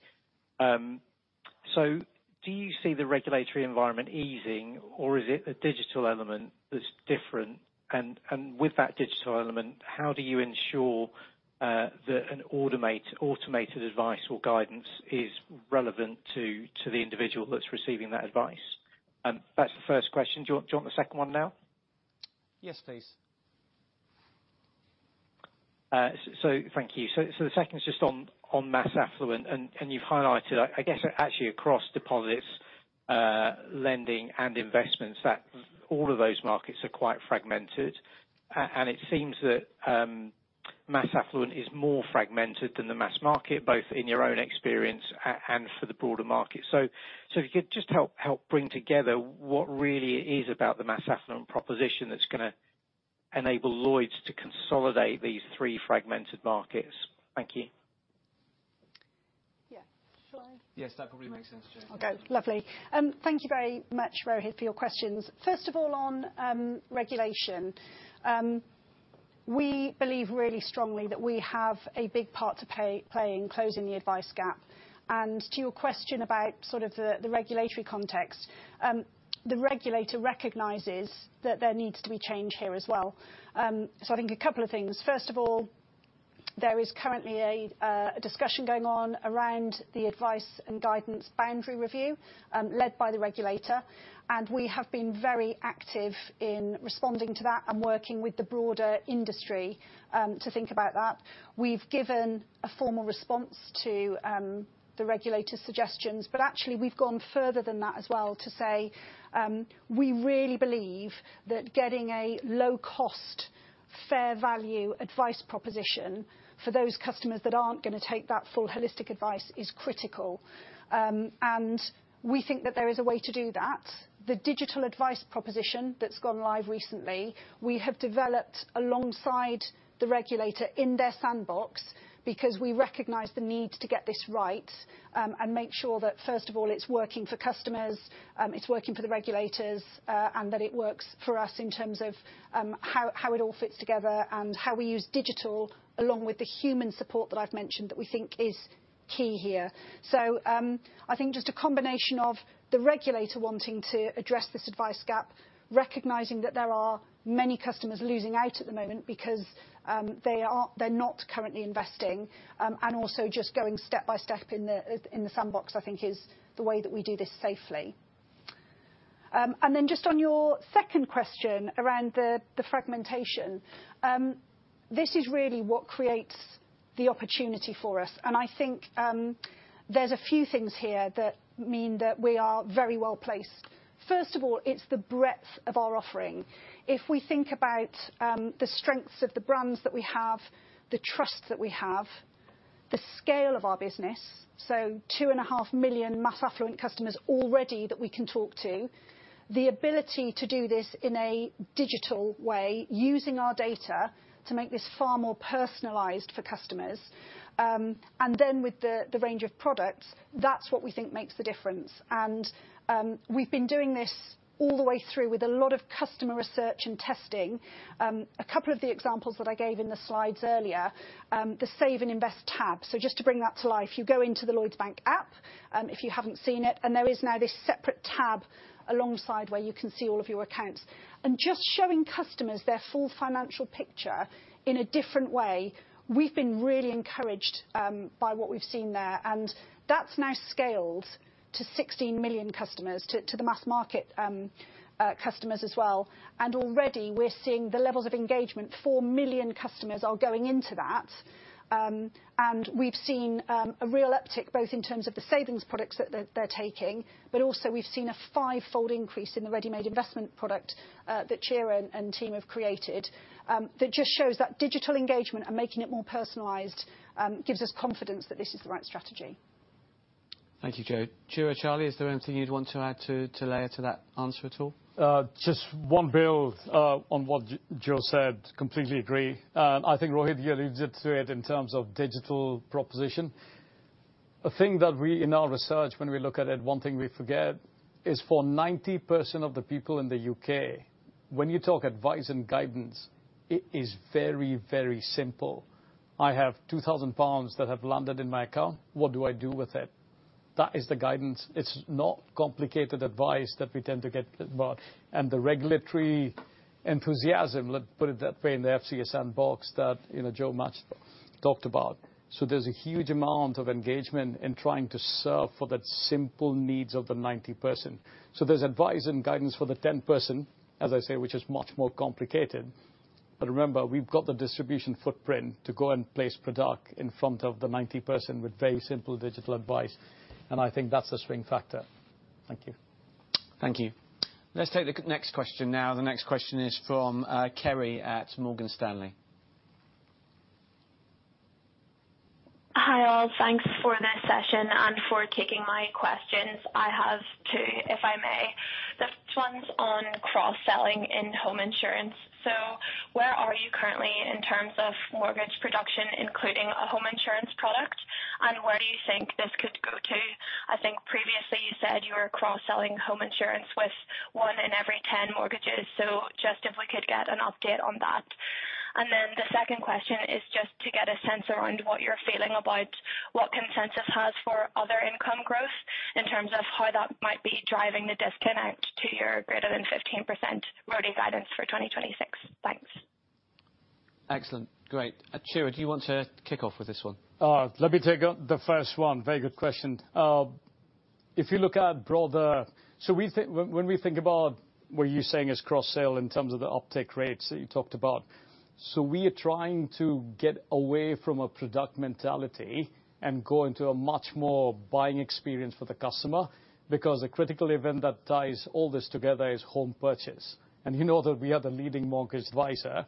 So do you see the regulatory environment easing, or is it a digital element that's different? And with that digital element, how do you ensure that an automated advice or guidance is relevant to the individual that's receiving that advice? That's the first question. Do you want the second one now? Yes, please. So thank you. So the second is just on mass affluent, and you've highlighted, I guess, actually across deposits, lending and investments, that all of those markets are quite fragmented. And it seems that mass affluent is more fragmented than the mass market, both in your own experience and for the broader market. So if you could just help bring together what really it is about the mass affluent proposition that's gonna enable Lloyds to consolidate these three fragmented markets. Thank you. Yeah. Shall I? Yes, that probably makes sense, Jo. Okay, lovely. Thank you very much, Rohit, for your questions. First of all, on regulation. We believe really strongly that we have a big part to play in closing the advice gap. And to your question about sort of the regulatory context, the regulator recognizes that there needs to be change here as well. So I think a couple of things. First of all, there is currently a discussion going on around the advice and guidance boundary review, led by the regulator, and we have been very active in responding to that and working with the broader industry, to think about that. We've given a formal response to the regulator's suggestions, but actually we've gone further than that as well, to say we really believe that getting a low-cost, fair value advice proposition for those customers that aren't gonna take that full holistic advice is critical. We think that there is a way to do that. The digital advice proposition that's gone live recently, we have developed alongside the regulator in their sandbox, because we recognize the need to get this right, and make sure that first of all, it's working for customers, it's working for the regulators, and that it works for us in terms of how it all fits together and how we use digital, along with the human support that I've mentioned, that we think is key here. I think just a combination of the regulator wanting to address this advice gap, recognizing that there are many customers losing out at the moment because they're not currently investing. Also just going step by step in the sandbox, I think is the way that we do this safely. Then just on your second question around the fragmentation. This is really what creates the opportunity for us, and I think there's a few things here that mean that we are very well placed. First of all, it's the breadth of our offering. If we think about the strengths of the brands that we have, the trust that we have, the scale of our business, so 2.5 million mass affluent customers already that we can talk to. The ability to do this in a digital way, using our data to make this far more personalized for customers. And then with the range of products, that's what we think makes the difference. And we've been doing this all the way through with a lot of customer research and testing. A couple of the examples that I gave in the slides earlier, the Save & Invest tab. So just to bring that to life, you go into the Lloyds Bank app, if you haven't seen it, and there is now this separate tab alongside where you can see all of your accounts. And just showing customers their full financial picture in a different way, we've been really encouraged by what we've seen there, and that's now scaled to 16 million customers, to the mass market customers as well. Already, we're seeing the levels of engagement. 4 million customers are going into that. And we've seen a real uptick, both in terms of the savings products that they're taking, but also we've seen a fivefold increase in the ready-made investment product that Chira and team have created. That just shows that digital engagement and making it more personalized gives us confidence that this is the right strategy. Thank you, Jo. Chira, Charlie, is there anything you'd want to add to layer to that answer at all? Just one build on what Jo said, completely agree. I think, Rohit, you alluded to it in terms of digital proposition. A thing that we, in our research, when we look at it, one thing we forget, is for 90% of the people in the U.K.- When you talk advice and guidance, it is very, very simple. I have 2,000 pounds that have landed in my account. What do I do with it? That is the guidance. It's not complicated advice that we tend to get about, and the regulatory enthusiasm, let's put it that way, in the FCA sandbox that, you know, Jo much talked about. So there's a huge amount of engagement in trying to serve for the simple needs of the 90%. So there's advice and guidance for the 10%, as I say, which is much more complicated. But remember, we've got the distribution footprint to go and place product in front of the 90% with very simple digital advice, and I think that's a swing factor. Thank you. Thank you. Let's take the next question now. The next question is from Kerry at Morgan Stanley. Hi, all. Thanks for this session and for taking my questions. I have two, if I may. The first one's on cross-selling in home insurance. So where are you currently in terms of mortgage production, including a home insurance product? And where do you think this could go to? I think previously you said you were cross-selling home insurance with 1 in every 10 mortgages. So just if we could get an update on that. And then the second question is just to get a sense around what you're feeling about what consensus has for other income growth, in terms of how that might be driving the disconnect to your greater than 15% RoTE guidance for 2026. Thanks. Excellent. Great. Chira, do you want to kick off with this one? Let me take up the first one. Very good question. If you look at broader. So we think—when we think about what you're saying is cross-sale in terms of the uptake rates that you talked about, so we are trying to get away from a product mentality and go into a much more buying experience for the customer, because a critical event that ties all this together is home purchase. And you know that we are the leading mortgage advisor,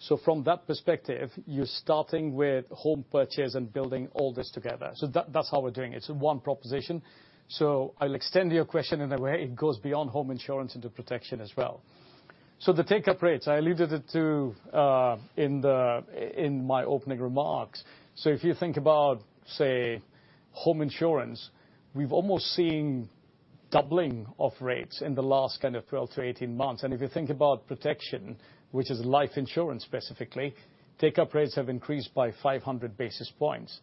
so from that perspective, you're starting with home purchase and building all this together. So that, that's how we're doing it. It's one proposition, so I'll extend your question in a way, it goes beyond home insurance into protection as well. So the take-up rates, I alluded it to in my opening remarks. So if you think about, say, home insurance, we've almost seen doubling of rates in the last kind of 12-18 months. And if you think about protection, which is life insurance, specifically, take-up rates have increased by 500 basis points.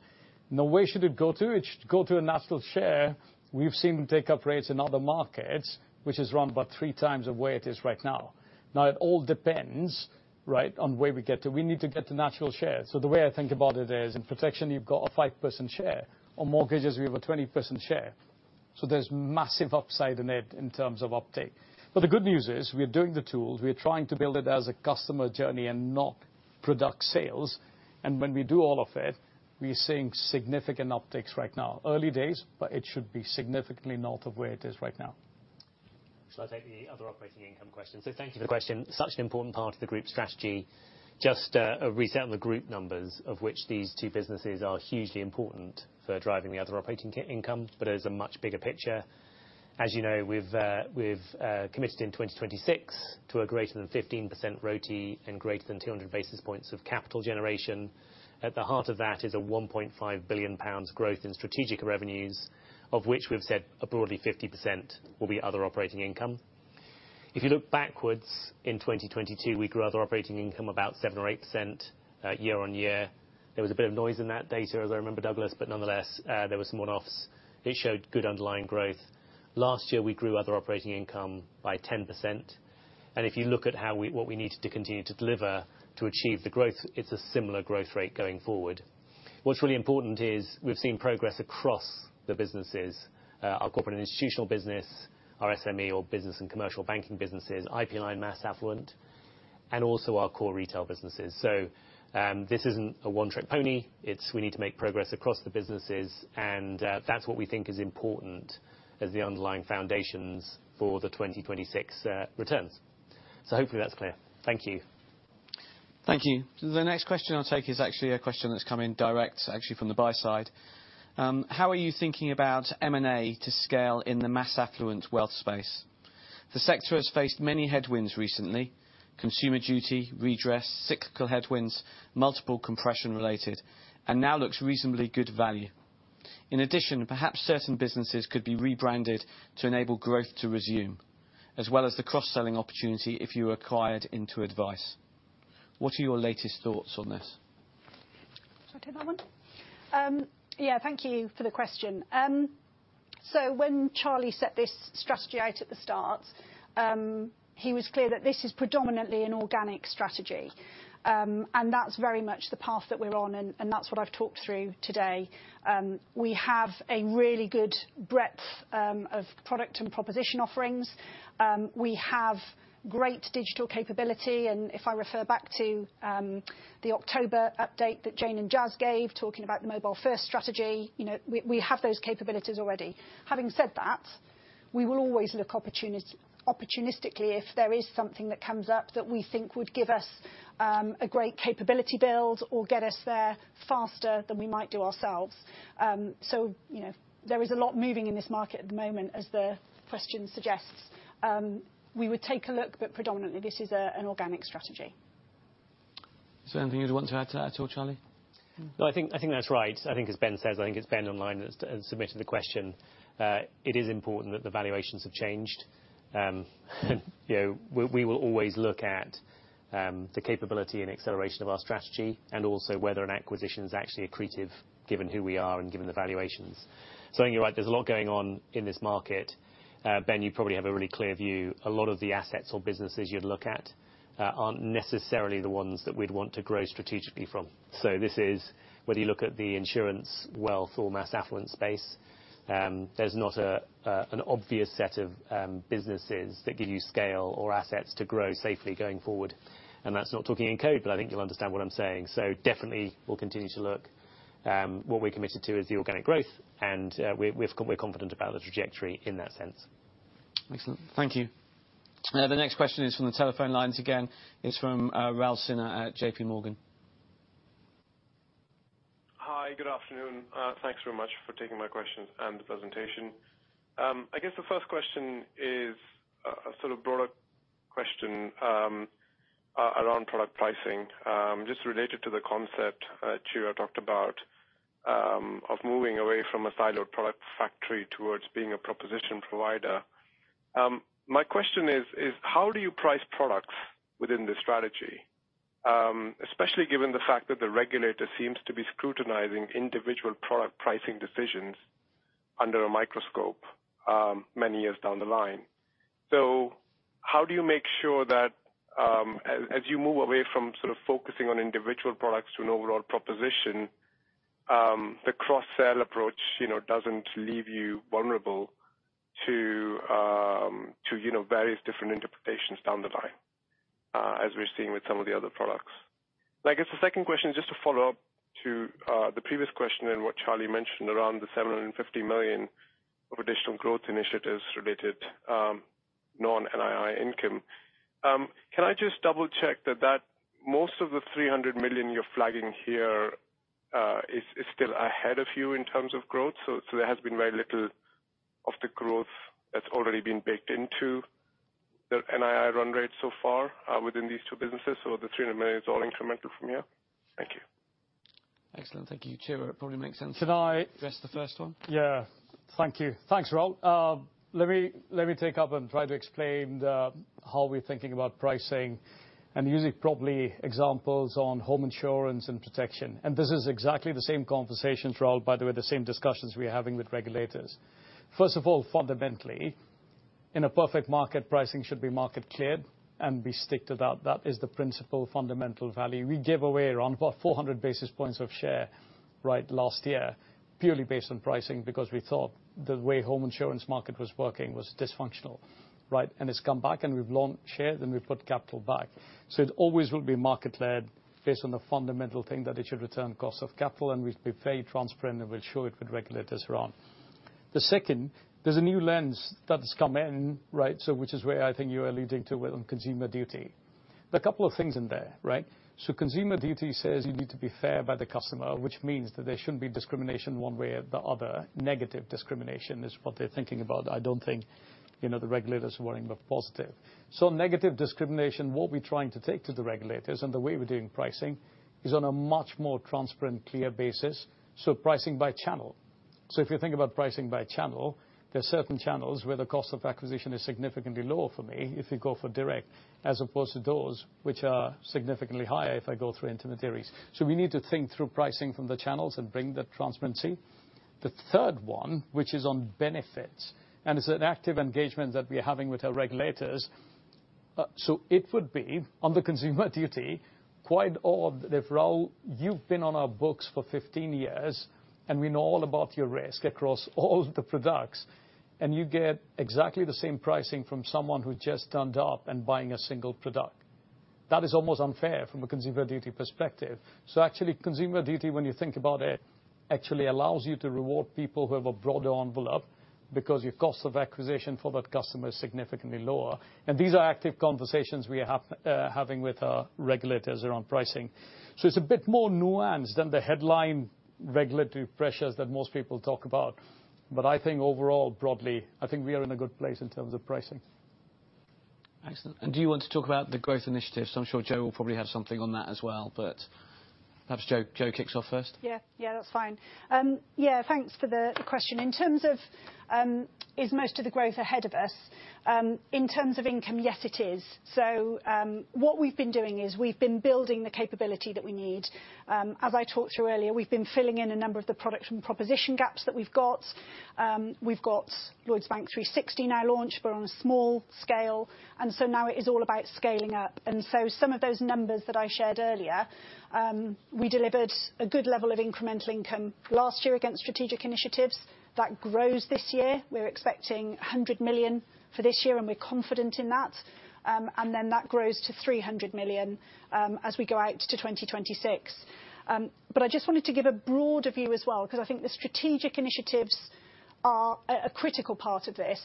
Now, where should it go to? It should go to a natural share. We've seen take-up rates in other markets, which is around about 3x of where it is right now. Now, it all depends, right, on where we get to. We need to get to natural share. So the way I think about it is, in protection, you've got a 5% share. On mortgages, we have a 20% share, so there's massive upside in it in terms of uptake. But the good news is, we're doing the tools, we're trying to build it as a customer journey and not product sales. When we do all of it, we are seeing significant upticks right now. Early days, but it should be significantly north of where it is right now. Shall I take the other operating income question? So thank you for the question. Such an important part of the group strategy. Just, a reset on the group numbers, of which these two businesses are hugely important for driving the other operating income, but there's a much bigger picture. As you know, we've committed in 2026 to a greater than 15% RoTE and greater than 200 basis points of capital generation. At the heart of that is a 1.5 billion pounds growth in strategic revenues, of which we've said broadly 50% will be other operating income. If you look backwards, in 2022, we grew other operating income about 7% or 8%, year on year. There was a bit of noise in that data, as I remember, Douglas, but nonetheless, there was some one-offs. It showed good underlying growth. Last year, we grew other operating income by 10%. And if you look at what we needed to continue to deliver to achieve the growth, it's a similar growth rate going forward. What's really important is we've seen progress across the businesses, our corporate and institutional business, our SME or business and commercial banking businesses, IP&I Mass Affluent, and also our core retail businesses. So, this isn't a one-trick pony. It's we need to make progress across the businesses, and, that's what we think is important as the underlying foundations for the 2026 returns. So hopefully that's clear. Thank you. Thank you. The next question I'll take is actually a question that's come in direct, actually, from the buy side. How are you thinking about M&A to scale in the mass affluent wealth space? The sector has faced many headwinds recently, Consumer Duty, redress, cyclical headwinds, multiple compression related, and now looks reasonably good value. In addition, perhaps certain businesses could be rebranded to enable growth to resume, as well as the cross-selling opportunity if you acquired into advice. What are your latest thoughts on this? Should I take that one? Yeah, thank you for the question. So when Charlie set this strategy out at the start, he was clear that this is predominantly an organic strategy. And that's very much the path that we're on, and that's what I've talked through today. We have a really good breadth of product and proposition offerings. We have great digital capability, and if I refer back to the October update that Jane and Jas gave, talking about the mobile-first strategy, you know, we have those capabilities already. Having said that, we will always look opportunistically if there is something that comes up that we think would give us a great capability build or get us there faster than we might do ourselves. So, you know, there is a lot moving in this market at the moment, as the question suggests. We would take a look, but predominantly, this is an organic strategy. Is there anything you'd want to add to that at all, Charlie? No, I think, I think that's right. I think as Ben says, I think it's Ben online that's submitted the question. It is important that the valuations have changed. You know, we will always look at the capability and acceleration of our strategy, and also whether an acquisition is actually accretive, given who we are and given the valuations. So I think you're right, there's a lot going on in this market. Ben, you probably have a really clear view. A lot of the assets or businesses you'd look at aren't necessarily the ones that we'd want to grow strategically from. So this is whether you look at the insurance, wealth, or mass affluent space, there's not an obvious set of businesses that give you scale or assets to grow safely going forward. That's not talking in code, but I think you'll understand what I'm saying. So definitely we'll continue to look. What we're committed to is the organic growth, and we're confident about the trajectory in that sense. Excellent. Thank you. The next question is from the telephone lines again. It's from Raul Sinha at J.P. Morgan. Hi, good afternoon. Thanks very much for taking my questions and the presentation. I guess the first question is a sort of broader question, around product pricing. Just related to the concept Chira talked about, of moving away from a siloed product factory towards being a proposition provider. My question is how do you price products within this strategy, especially given the fact that the regulator seems to be scrutinizing individual product pricing decisions under a microscope, many years down the line? So how do you make sure that, as you move away from sort of focusing on individual products to an overall proposition, the cross-sell approach, you know, doesn't leave you vulnerable to, you know, various different interpretations down the line, as we've seen with some of the other products? I guess the second question, just to follow up to the previous question and what Charlie mentioned around the 750 million of additional growth initiatives related, non-NII income. Can I just double check that, that most of the 300 million you're flagging here, is, is still ahead of you in terms of growth? So, so there has been very little of the growth that's already been baked into the NII run rate so far, within these two businesses, so the 300 million is all incremental from here? Thank you. Excellent. Thank you, Chira. It probably makes sense- Should I- Address the first one? Yeah. Thank you. Thanks, Raul. Let me take up and try to explain the, how we're thinking about pricing and using probably examples on home insurance and protection. And this is exactly the same conversation, Raul, by the way, the same discussions we're having with regulators. First of all, fundamentally, in a perfect market, pricing should be market clear, and we stick to that. That is the principle fundamental value. We gave away around about 400 basis points of share, right, last year, purely based on pricing, because we thought the way home insurance market was working was dysfunctional, right? And it's come back, and we've launched shares, then we've put capital back. So it always will be market-led based on the fundamental thing, that it should return cost of capital, and we've been very transparent, and we'll show it with regulators around. The second, there's a new lens that's come in, right, so which is where I think you are leading to with Consumer Duty. There are a couple of things in there, right? So Consumer Duty says you need to be fair by the customer, which means that there shouldn't be discrimination one way or the other. Negative discrimination is what they're thinking about. I don't think, you know, the regulator is worrying about positive. So negative discrimination, what we're trying to take to the regulators and the way we're doing pricing, is on a much more transparent, clear basis, so pricing by channel. So if you think about pricing by channel, there are certain channels where the cost of acquisition is significantly lower for me, if you go for direct, as opposed to those which are significantly higher if I go through intermediaries. So we need to think through pricing from the channels and bring that transparency. The third one, which is on benefits, and it's an active engagement that we're having with our regulators. So it would be, on the Consumer Duty, quite odd if, Raul, you've been on our books for 15 years, and we know all about your risk across all the products, and you get exactly the same pricing from someone who just turned up and buying a single product. That is almost unfair from a Consumer Duty perspective. So actually, Consumer Duty, when you think about it, actually allows you to reward people who have a broader envelope, because your cost of acquisition for that customer is significantly lower. And these are active conversations we're having with our regulators around pricing. It's a bit more nuanced than the headline regulatory pressures that most people talk about, but I think overall, broadly, I think we are in a good place in terms of pricing. Excellent. Do you want to talk about the growth initiatives? I'm sure Jo will probably have something on that as well, but perhaps Jo, Jo kicks off first. Yeah, that's fine. Yeah, thanks for the, the question. In terms of, is most of the growth ahead of us, in terms of income, yes, it is. So, what we've been doing is we've been building the capability that we need. As I talked through earlier, we've been filling in a number of the product and proposition gaps that we've got. We've got Lloyds Bank 360 now launched, but on a small scale, and so now it is all about scaling up. And so some of those numbers that I shared earlier, we delivered a good level of incremental income last year against strategic initiatives. That grows this year. We're expecting 100 million for this year, and we're confident in that. And then that grows to 300 million, as we go out to 2026. But I just wanted to give a broader view as well, because I think the strategic initiatives are a critical part of this.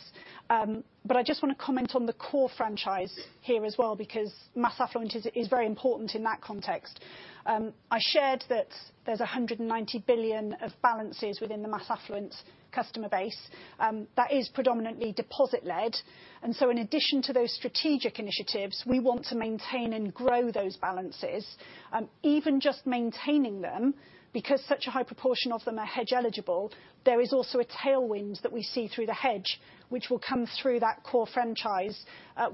But I just wanna comment on the core franchise here as well, because mass affluent is very important in that context. I shared that there's 190 billion of balances within the mass affluent customer base, that is predominantly deposit-led. And so in addition to those strategic initiatives, we want to maintain and grow those balances. Even just maintaining them, because such a high proportion of them are hedge eligible, there is also a tailwind that we see through the hedge, which will come through that core franchise,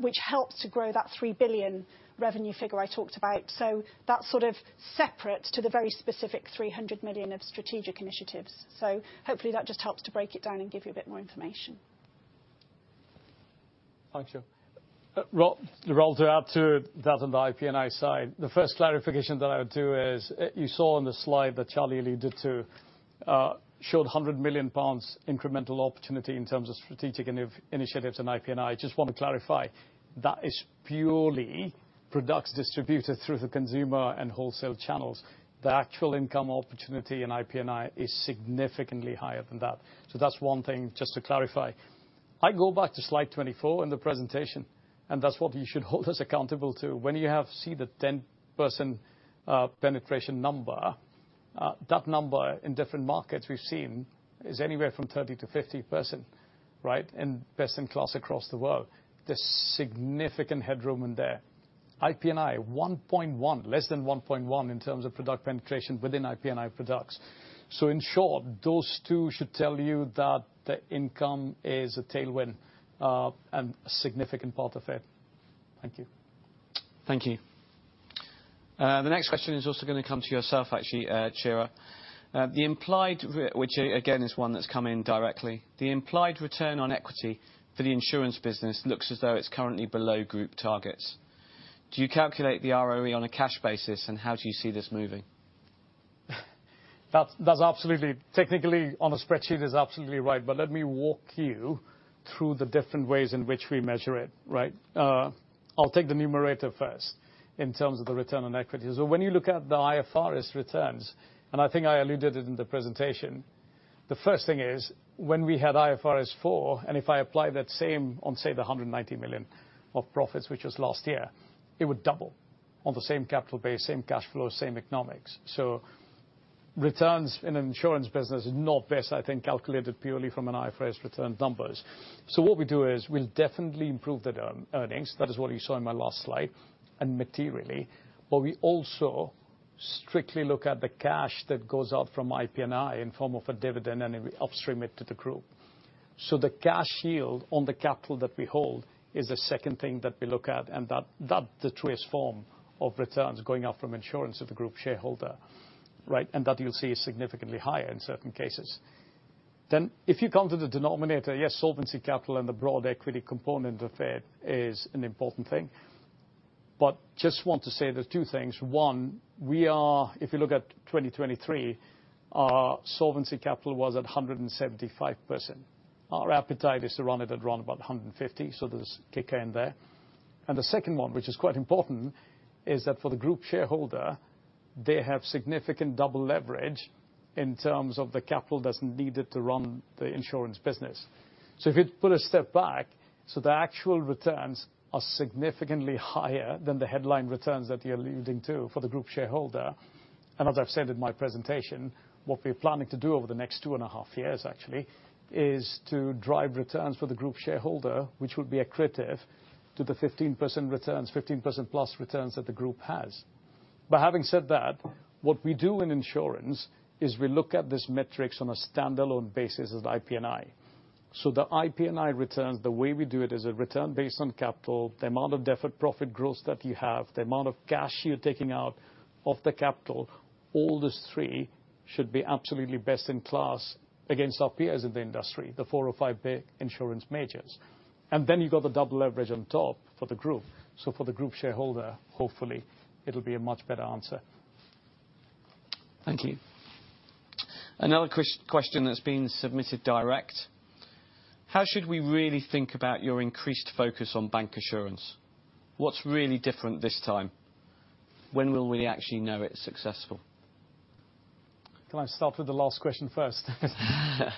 which helps to grow that 3 billion revenue figure I talked about. So that's sort of separate to the very specific 300 million of strategic initiatives. Hopefully that just helps to break it down and give you a bit more information. Thanks, Jo. Roland, to add to that on the IP&I side, the first clarification that I would do is, you saw on the slide that Charlie alluded to, showed 100 million pounds incremental opportunity in terms of strategic initiatives and IP&I. Just want to clarify, that is purely products distributed through the consumer and wholesale channels. The actual income opportunity in IP&I is significantly higher than that. So that's one thing just to clarify. I go back to slide 24 in the presentation, and that's what you should hold us accountable to. When you see the 10% penetration number, that number in different markets we've seen is anywhere from 30%-50%, right, and best in class across the world. There's significant headroom in there. IP&I, 1.1, less than 1.1 in terms of product penetration within IP&I products. So in short, those two should tell you that the income is a tailwind, and a significant part of it. Thank you. Thank you. The next question is also gonna come to yourself, actually, Chira. The implied return, which, again, is one that's come in directly. The implied return on equity for the insurance business looks as though it's currently below group targets. Do you calculate the ROE on a cash basis, and how do you see this moving? That's, that's absolutely... Technically, on a spreadsheet, is absolutely right, but let me walk you through the different ways in which we measure it, right? I'll take the numerator first in terms of the return on equity. So when you look at the IFRS returns, and I think I alluded it in the presentation, the first thing is, when we had IFRS 4, and if I apply that same on, say, the 190 million of profits, which was last year, it would double on the same capital base, same cash flow, same economics. So returns in an insurance business is not best, I think, calculated purely from an IFRS return numbers. So what we do is, we'll definitely improve the earnings. That is what you saw in my last slide, and materially. But we also strictly look at the cash that goes out from IP&I in form of a dividend, and then we upstream it to the group. So the cash yield on the capital that we hold is the second thing that we look at, and that, that the truest form of returns going out from insurance to the group shareholder, right? And that you'll see is significantly higher in certain cases. Then, if you come to the denominator, yes, solvency capital and the broad equity component of it is an important thing. But just want to say there's two things. One, we are, if you look at 2023, our solvency capital was at 175%. Our appetite is to run it at around about 150, so there's kick in there. And the second one, which is quite important, is that for the group shareholder, they have significant double leverage in terms of the capital that's needed to run the insurance business. So if you take a step back, the actual returns are significantly higher than the headline returns that you're alluding to for the group shareholder. And as I've said in my presentation, what we're planning to do over the next 2.5 years, actually, is to drive returns for the group shareholder, which would be accretive to the 15% returns, 15%+ returns that the group has. But having said that, what we do in insurance is we look at these metrics on a standalone basis as IP&I. So the IP&I returns, the way we do it, is a return based on capital, the amount of deferred profit growth that you have, the amount of cash you're taking out of the capital. All these three should be absolutely best in class against our peers in the industry, the four or five big insurance majors. And then you've got the double leverage on top for the group. So for the group shareholder, hopefully it'll be a much better answer. Thank you. Another question that's been submitted directly: How should we really think about your increased focus on bancassurance? What's really different this time? When will we actually know it's successful? Can I start with the last question first?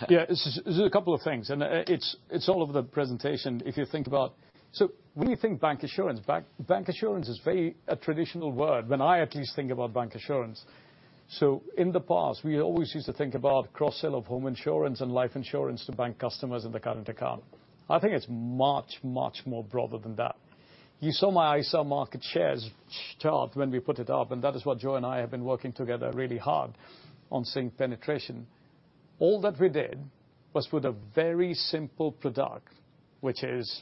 Yeah, this is, there's a couple of things, and it's all over the presentation. If you think about. So when you think bancassurance, bancassurance is a very traditional word, when I at least think about bancassurance. So in the past, we always used to think about cross-sell of home insurance and life insurance to bank customers in the current account. I think it's much, much more broader than that. You saw my ISA market shares chart when we put it up, and that is what Joe and I have been working together really hard on seeing penetration. All that we did was put a very simple product, which is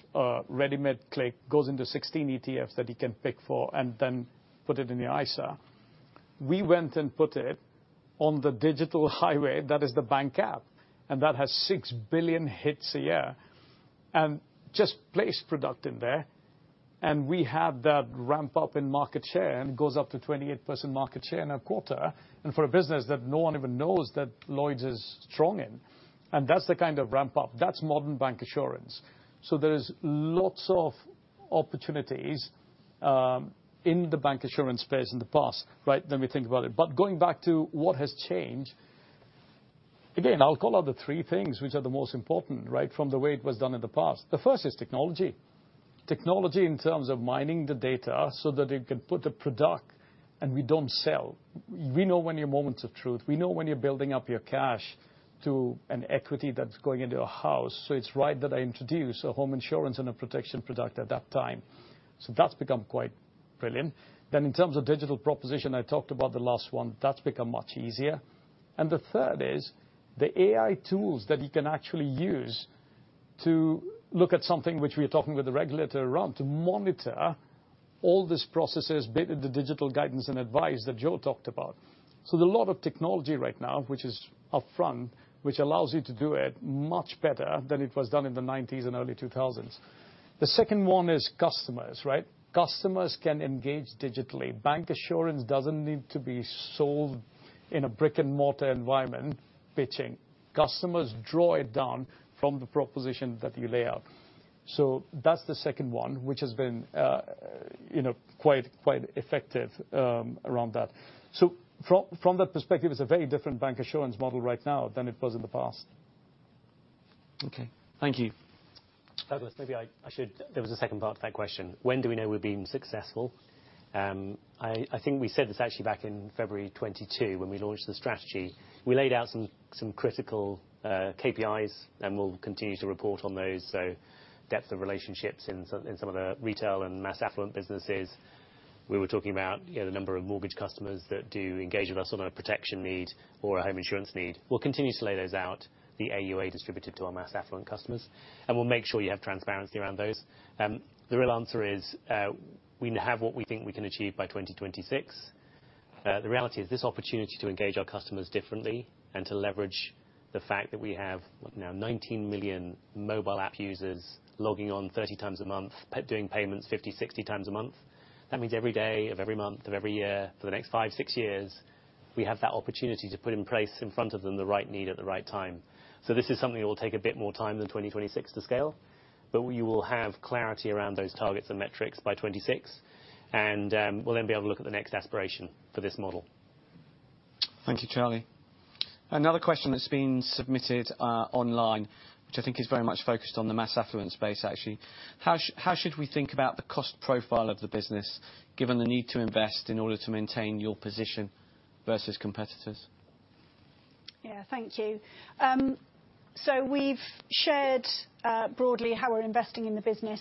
Ready-Made Investments, goes into 16 ETFs that you can pick from and then put it in your ISA. We went and put it on the digital highway, that is the bank app, and that has 6 billion hits a year, and just placed product in there. And we had that ramp up in market share, and it goes up to 28% market share in a quarter, and for a business that no one even knows that Lloyds is strong in. And that's the kind of ramp up. That's modern bank assurance. So there is lots of opportunities in the bancassurance space in the past, right? Let me think about it. But going back to what has changed, again, I'll call out the three things which are the most important, right, from the way it was done in the past. The first is technology. Technology in terms of mining the data, so that it can put the product and we don't sell. We know when your moments of truth, we know when you're building up your cash to an equity that's going into a house, so it's right that I introduce a home insurance and a protection product at that time. So that's become quite brilliant. Then in terms of digital proposition, I talked about the last one, that's become much easier. And the third is, the AI tools that you can actually use to look at something which we are talking with the regulator around, to monitor all these processes, be it the digital guidance and advice that Jo talked about. So there's a lot of technology right now, which is upfront, which allows you to do it much better than it was done in the '90s and early 2000s. The second one is customers, right? Customers can engage digitally. Bancassurance doesn't need to be sold in a brick-and-mortar environment, pitching. Customers draw it down from the proposition that you lay out. So that's the second one, which has been, you know, quite, quite effective, around that. So from, from that perspective, it's a very different bancassurance model right now than it was in the past. Okay. Thank you. Douglas, maybe I should-- there was a second part to that question. When do we know we're being successful? I think we said this actually back in February 2022, when we launched the strategy. We laid out some critical KPIs, and we'll continue to report on those. So depth of relationships in some of the retail and mass affluent businesses. We were talking about, you know, the number of mortgage customers that do engage with us on a protection need or a home insurance need. We'll continue to lay those out, the AUA distributed to our mass affluent customers, and we'll make sure you have transparency around those. The real answer is, we have what we think we can achieve by 2026. The reality is this opportunity to engage our customers differently and to leverage the fact that we have, what now, 19 million mobile app users logging on 30 times a month, doing payments 50-60x a month. That means every day of every month of every year for the next 5-6 years, we have that opportunity to put in place in front of them the right need at the right time. So this is something that will take a bit more time than 2026 to scale, but you will have clarity around those targets and metrics by 2026, and we'll then be able to look at the next aspiration for this model. Thank you, Charlie. Another question that's been submitted online, which I think is very much focused on the mass affluent space, actually. How should we think about the cost profile of the business, given the need to invest in order to maintain your position versus competitors? Yeah, thank you. So we've shared broadly how we're investing in the business,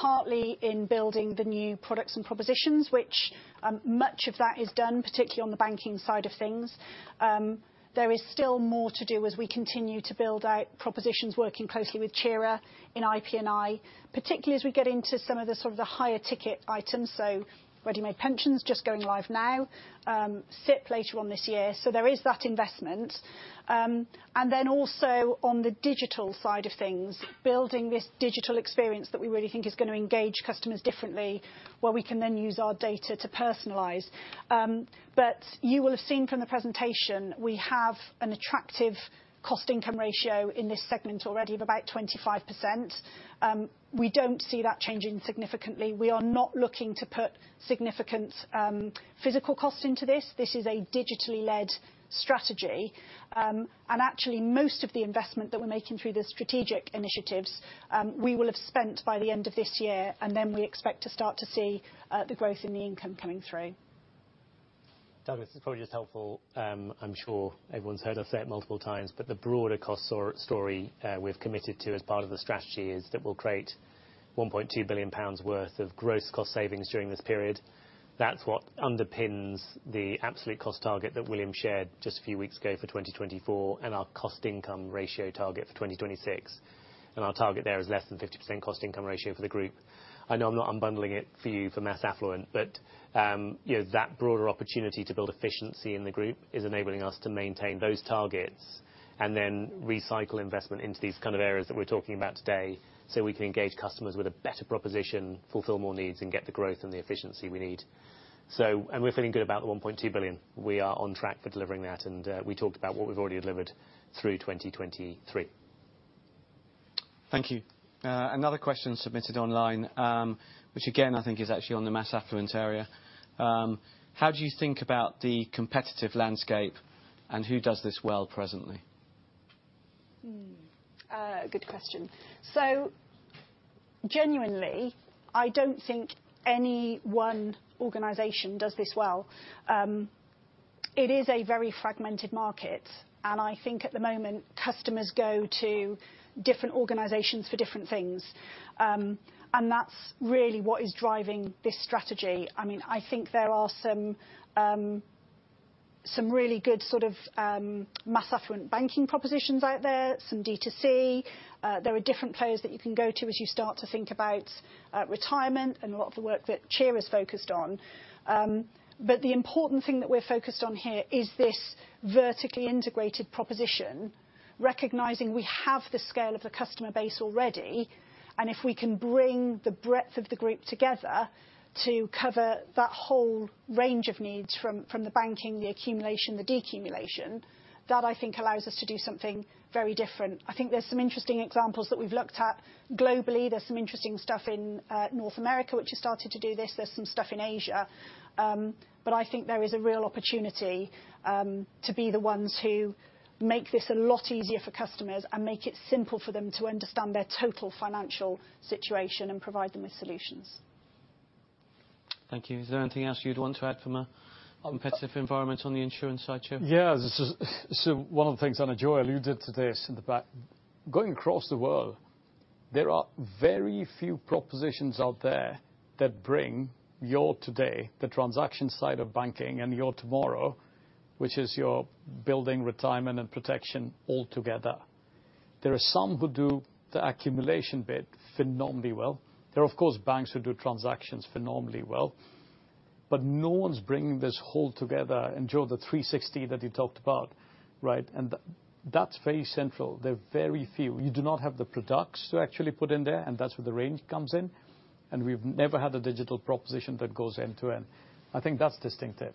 partly in building the new products and propositions, which much of that is done, particularly on the banking side of things. There is still more to do as we continue to build out propositions, working closely with Chira in IP&I, particularly as we get into some of the higher ticket items, so Ready-Made Pensions, just going live now, SIPP later on this year. So there is that investment. And then also on the digital side of things, building this digital experience that we really think is gonna engage customers differently, where we can then use our data to personalize. But you will have seen from the presentation, we have an attractive cost-income ratio in this segment already of about 25%. We don't see that changing significantly. We are not looking to put significant physical costs into this. This is a digitally led strategy. Actually, most of the investment that we're making through the strategic initiatives, we will have spent by the end of this year, and then we expect to start to see the growth in the income coming through. Douglas, it's probably just helpful. I'm sure everyone's heard us say it multiple times, but the broader cost story we've committed to as part of the strategy is that we'll create 1.2 billion pounds worth of gross cost savings during this period. That's what underpins the absolute cost target that William shared just a few weeks ago for 2024, and our cost income ratio target for 2026. And our target there is less than 50% cost income ratio for the group. I know I'm not unbundling it for you for Mass Affluent, but, you know, that broader opportunity to build efficiency in the group is enabling us to maintain those targets, and then recycle investment into these kind of areas that we're talking about today, so we can engage customers with a better proposition, fulfill more needs, and get the growth and the efficiency we need. So, and we're feeling good about the 1.2 billion. We are on track for delivering that, and, we talked about what we've already delivered through 2023. Thank you. Another question submitted online, which again, I think is actually on the Mass Affluent area. How do you think about the competitive landscape and who does this well presently? Good question. So genuinely, I don't think any one organization does this well. It is a very fragmented market, and I think at the moment, customers go to different organizations for different things. And that's really what is driving this strategy. I mean, I think there are some, some really good sort of, mass affluent banking propositions out there, some D2C. There are different players that you can go to as you start to think about, retirement and a lot of the work that Chira is focused on. But the important thing that we're focused on here is this vertically integrated proposition, recognizing we have the scale of the customer base already, and if we can bring the breadth of the group together to cover that whole range of needs from the banking, the accumulation, the decumulation, that I think allows us to do something very different. I think there's some interesting examples that we've looked at globally. There's some interesting stuff in North America, which has started to do this. There's some stuff in Asia. But I think there is a real opportunity to be the ones who make this a lot easier for customers and make it simple for them to understand their total financial situation and provide them with solutions. Thank you. Is there anything else you'd want to add from a competitive environment on the insurance side, Chira? Yeah, this is, so one of the things, and Jo alluded to this in the back, going across the world, there are very few propositions out there that bring your today, the transaction side of banking, and your tomorrow, which is your building retirement and protection all together. There are some who do the accumulation bit phenomenally well. There are, of course, banks who do transactions phenomenally well, but no one's bringing this whole together, and Jo, the 360 that you talked about, right? And that's very central. They're very few. You do not have the products to actually put in there, and that's where the range comes in, and we've never had a digital proposition that goes end to end. I think that's distinctive.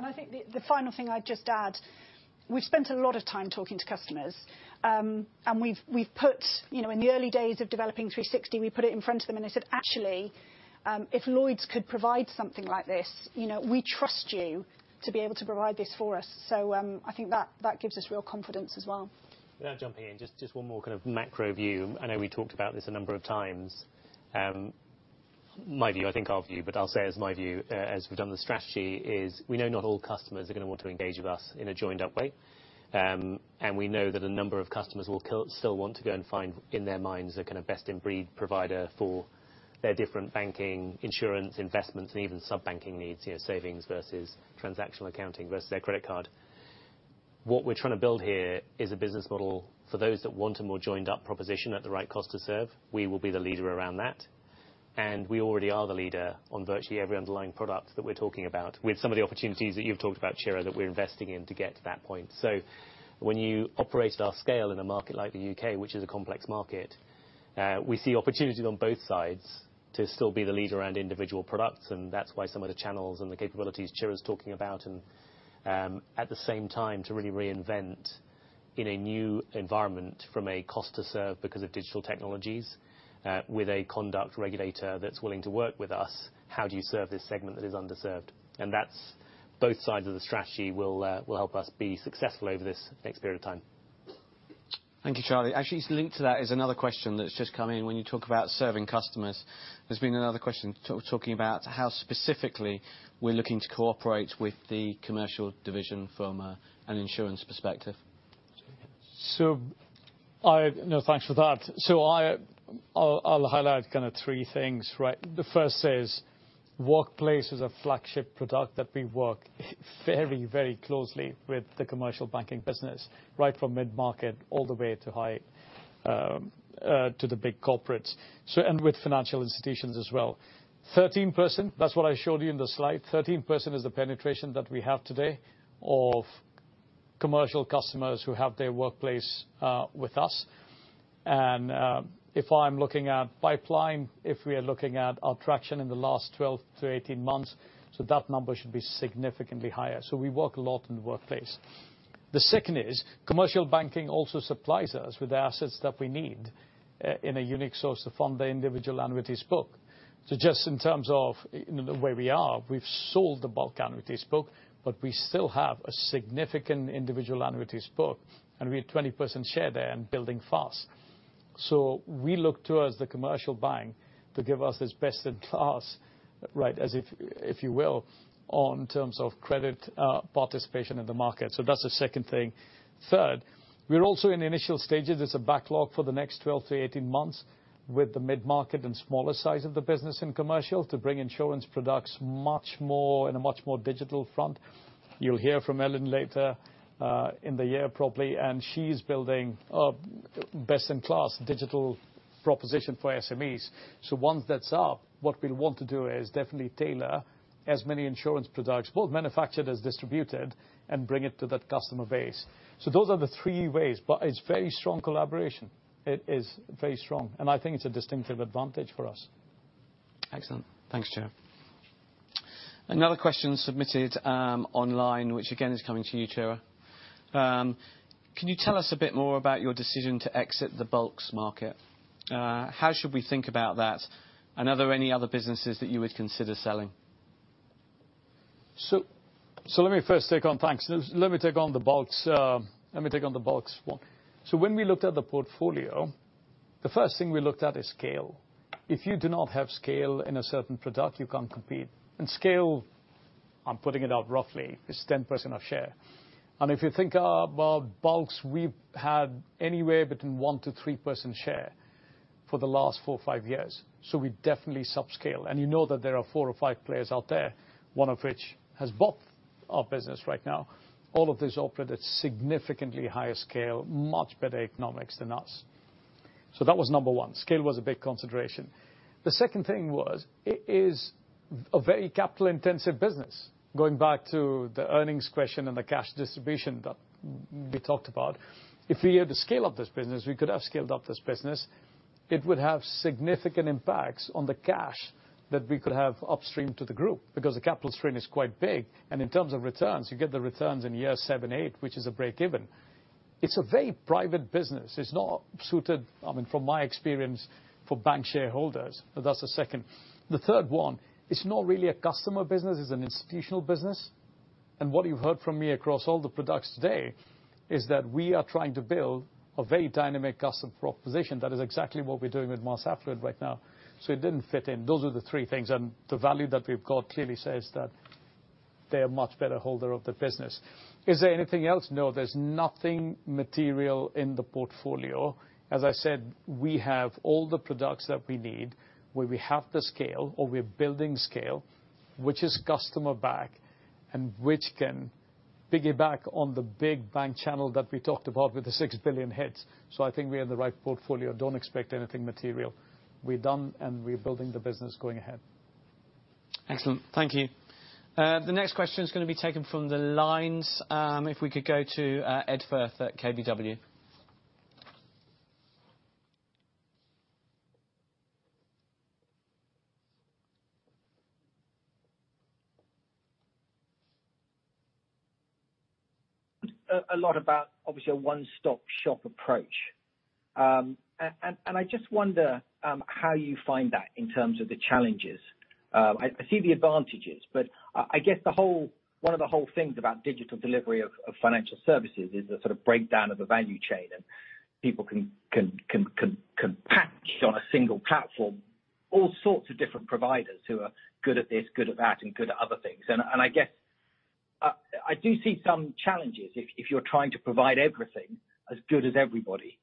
Yeah, and I think the final thing I'd just add, we've spent a lot of time talking to customers, and we've put, you know, in the early days of developing 360, we put it in front of them, and they said, "Actually, if Lloyds could provide something like this, you know, we trust you to be able to provide this for us." So, I think that gives us real confidence as well. Can I jump in? Just one more kind of macro view. I know we talked about this a number of times. My view, I think our view, but I'll say as my view, as we've done the strategy, is we know not all customers are gonna want to engage with us in a joined up way. And we know that a number of customers will still want to go and find, in their minds, a kind of best-in-breed provider for their different banking, insurance, investments, and even sub-banking needs, you know, savings versus transactional accounting versus their credit card. What we're trying to build here is a business model for those that want a more joined up proposition at the right cost to serve. We will be the leader around that, and we already are the leader on virtually every underlying product that we're talking about, with some of the opportunities that you've talked about, Chira, that we're investing in to get to that point. So when you operate at our scale in a market like the U.K., which is a complex market, we see opportunities on both sides to still be the leader around individual products, and that's why some of the channels and the capabilities Chira's talking about. And at the same time, to really reinvent in a new environment from a cost to serve because of digital technologies, with a conduct regulator that's willing to work with us, how do you serve this segment that is underserved? And that's both sides of the strategy will help us be successful over this next period of time. Thank you, Charlie. Actually, it's linked to that is another question that's just come in. When you talk about serving customers, there's been another question talking about how specifically we're looking to cooperate with the commercial division from an insurance perspective. No, thanks for that. So I'll highlight kind of three things, right? The first is, Workplace is a flagship product that we work very, very closely with the commercial banking business, right from mid-market all the way to high, to the big corporates, so, and with financial institutions as well. 13%, that's what I showed you in the slide, 13% is the penetration that we have today of commercial customers who have their workplace with us. And if I'm looking at pipeline, if we are looking at our traction in the last 12-18 months, so that number should be significantly higher. So we work a lot in the workplace. The second is, commercial banking also supplies us with the assets that we need in a unique source to fund the individual annuities book. So just in terms of, you know, where we are, we've sold the bulk annuities book, but we still have a significant individual annuities book, and we have 20% share there and building fast. So we look towards the commercial bank to give us its best in class, right, as if, if you will, on terms of credit, participation in the market. So that's the second thing. Third, we're also in the initial stages. There's a backlog for the next 12-18 months with the mid-market and smaller size of the business in commercial to bring insurance products much more, in a much more digital front. You'll hear from Elyn later in the year, probably, and she's building a best-in-class digital proposition for SMEs. Once that's up, what we'll want to do is definitely tailor as many insurance products, both manufactured and distributed, and bring it to that customer base. Those are the three ways, but it's very strong collaboration. It is very strong, and I think it's a distinctive advantage for us. Excellent. Thanks, Chira. Another question submitted online, which again is coming to you, Chira. Can you tell us a bit more about your decision to exit the bulk annuities market? How should we think about that, and are there any other businesses that you would consider selling? Let me take on the bulks one. So when we looked at the portfolio, the first thing we looked at is scale. If you do not have scale in a certain product, you can't compete. And scale, I'm putting it out roughly, is 10% share. And if you think about bulks, we've had anywhere between 1%-3% share for the last 4, 5 years, so we're definitely subscale. And you know that there are four or 5 players out there, one of which has bought our business right now. All of these operate at significantly higher scale, much better economics than us. So that was number one. Scale was a big consideration. The second thing was, it is a very capital-intensive business, going back to the earnings question and the cash distribution that we talked about. If we are to scale up this business, we could have scaled up this business, it would have significant impacts on the cash that we could have upstreamed to the group, because the capital strain is quite big, and in terms of returns, you get the returns in year 7, 8, which is a break even. It's a very private business. It's not suited, I mean, from my experience, for bank shareholders, so that's the second. The third one, it's not really a customer business. It's an institutional business. And what you've heard from me across all the products today, is that we are trying to build a very dynamic customer proposition. That is exactly what we're doing with Mass Affluent right now. So it didn't fit in. Those are the three things, and the value that we've got clearly says that they are much better holder of the business. Is there anything else? No, there's nothing material in the portfolio. As I said, we have all the products that we need, where we have the scale or we're building scale, which is customer back, and which can piggyback on the big bank channel that we talked about with the 6 billion hits. So I think we have the right portfolio. Don't expect anything material. We're done, and we're building the business going ahead. Excellent. Thank you. The next question is gonna be taken from the lines. If we could go to Ed Firth at KBW. A lot about obviously, a one-stop shop approach. And, and I just wonder, how you find that in terms of the challenges? I see the advantages, but, I guess the whole-- one of the whole things about digital delivery of financial services is the sort of breakdown of the value chain, and people can patch on a single platform, all sorts of different providers who are good at this, good at that, and good at other things. And I guess, I do see some challenges if you're trying to provide everything as good as everybody.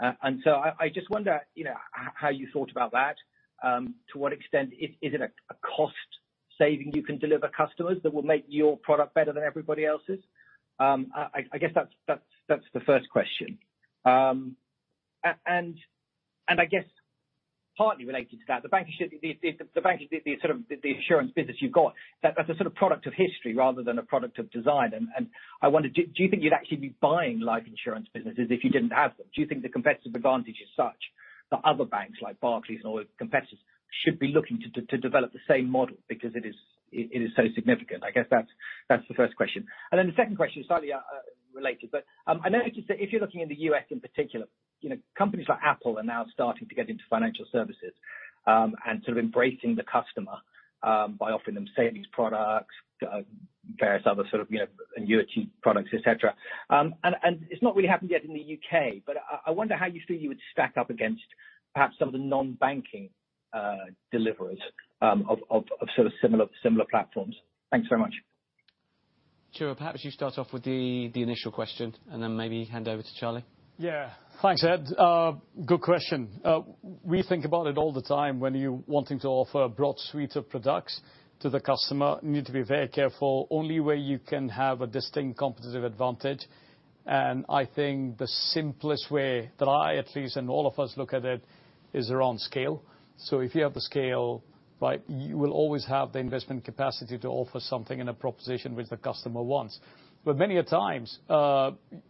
And so I just wonder, you know, how you thought about that? To what extent, Is it a cost saving you can deliver customers that will make your product better than everybody else's? I guess that's the first question. And I guess, partly related to that, the insurance business you've got, that's a sort of product of history rather than a product of design. And I wonder, do you think you'd actually be buying life insurance businesses if you didn't have them? Do you think the competitive advantage is such that other banks, like Barclays or competitors, should be looking to develop the same model because it is so significant? I guess that's the first question. And then the second question is slightly related, but I notice that if you're looking in the U.S. in particular, you know, companies like Apple are now starting to get into financial services, and sort of embracing the customer by offering them savings products, various other sort of, you know, annuity products, et cetera. And it's not really happened yet in the U.K., but I wonder how you feel you would stack up against perhaps some of the non-banking deliverers of sort of similar platforms? Thanks very much. Sure. Perhaps you start off with the initial question, and then maybe hand over to Charlie. Yeah. Thanks, Ed. Good question. We think about it all the time. When you're wanting to offer a broad suite of products to the customer, you need to be very careful, only where you can have a distinct competitive advantage. And I think the simplest way, that I at least and all of us look at it, is around scale. So if you have the scale, right, you will always have the investment capacity to offer something in a proposition which the customer wants. But many a times,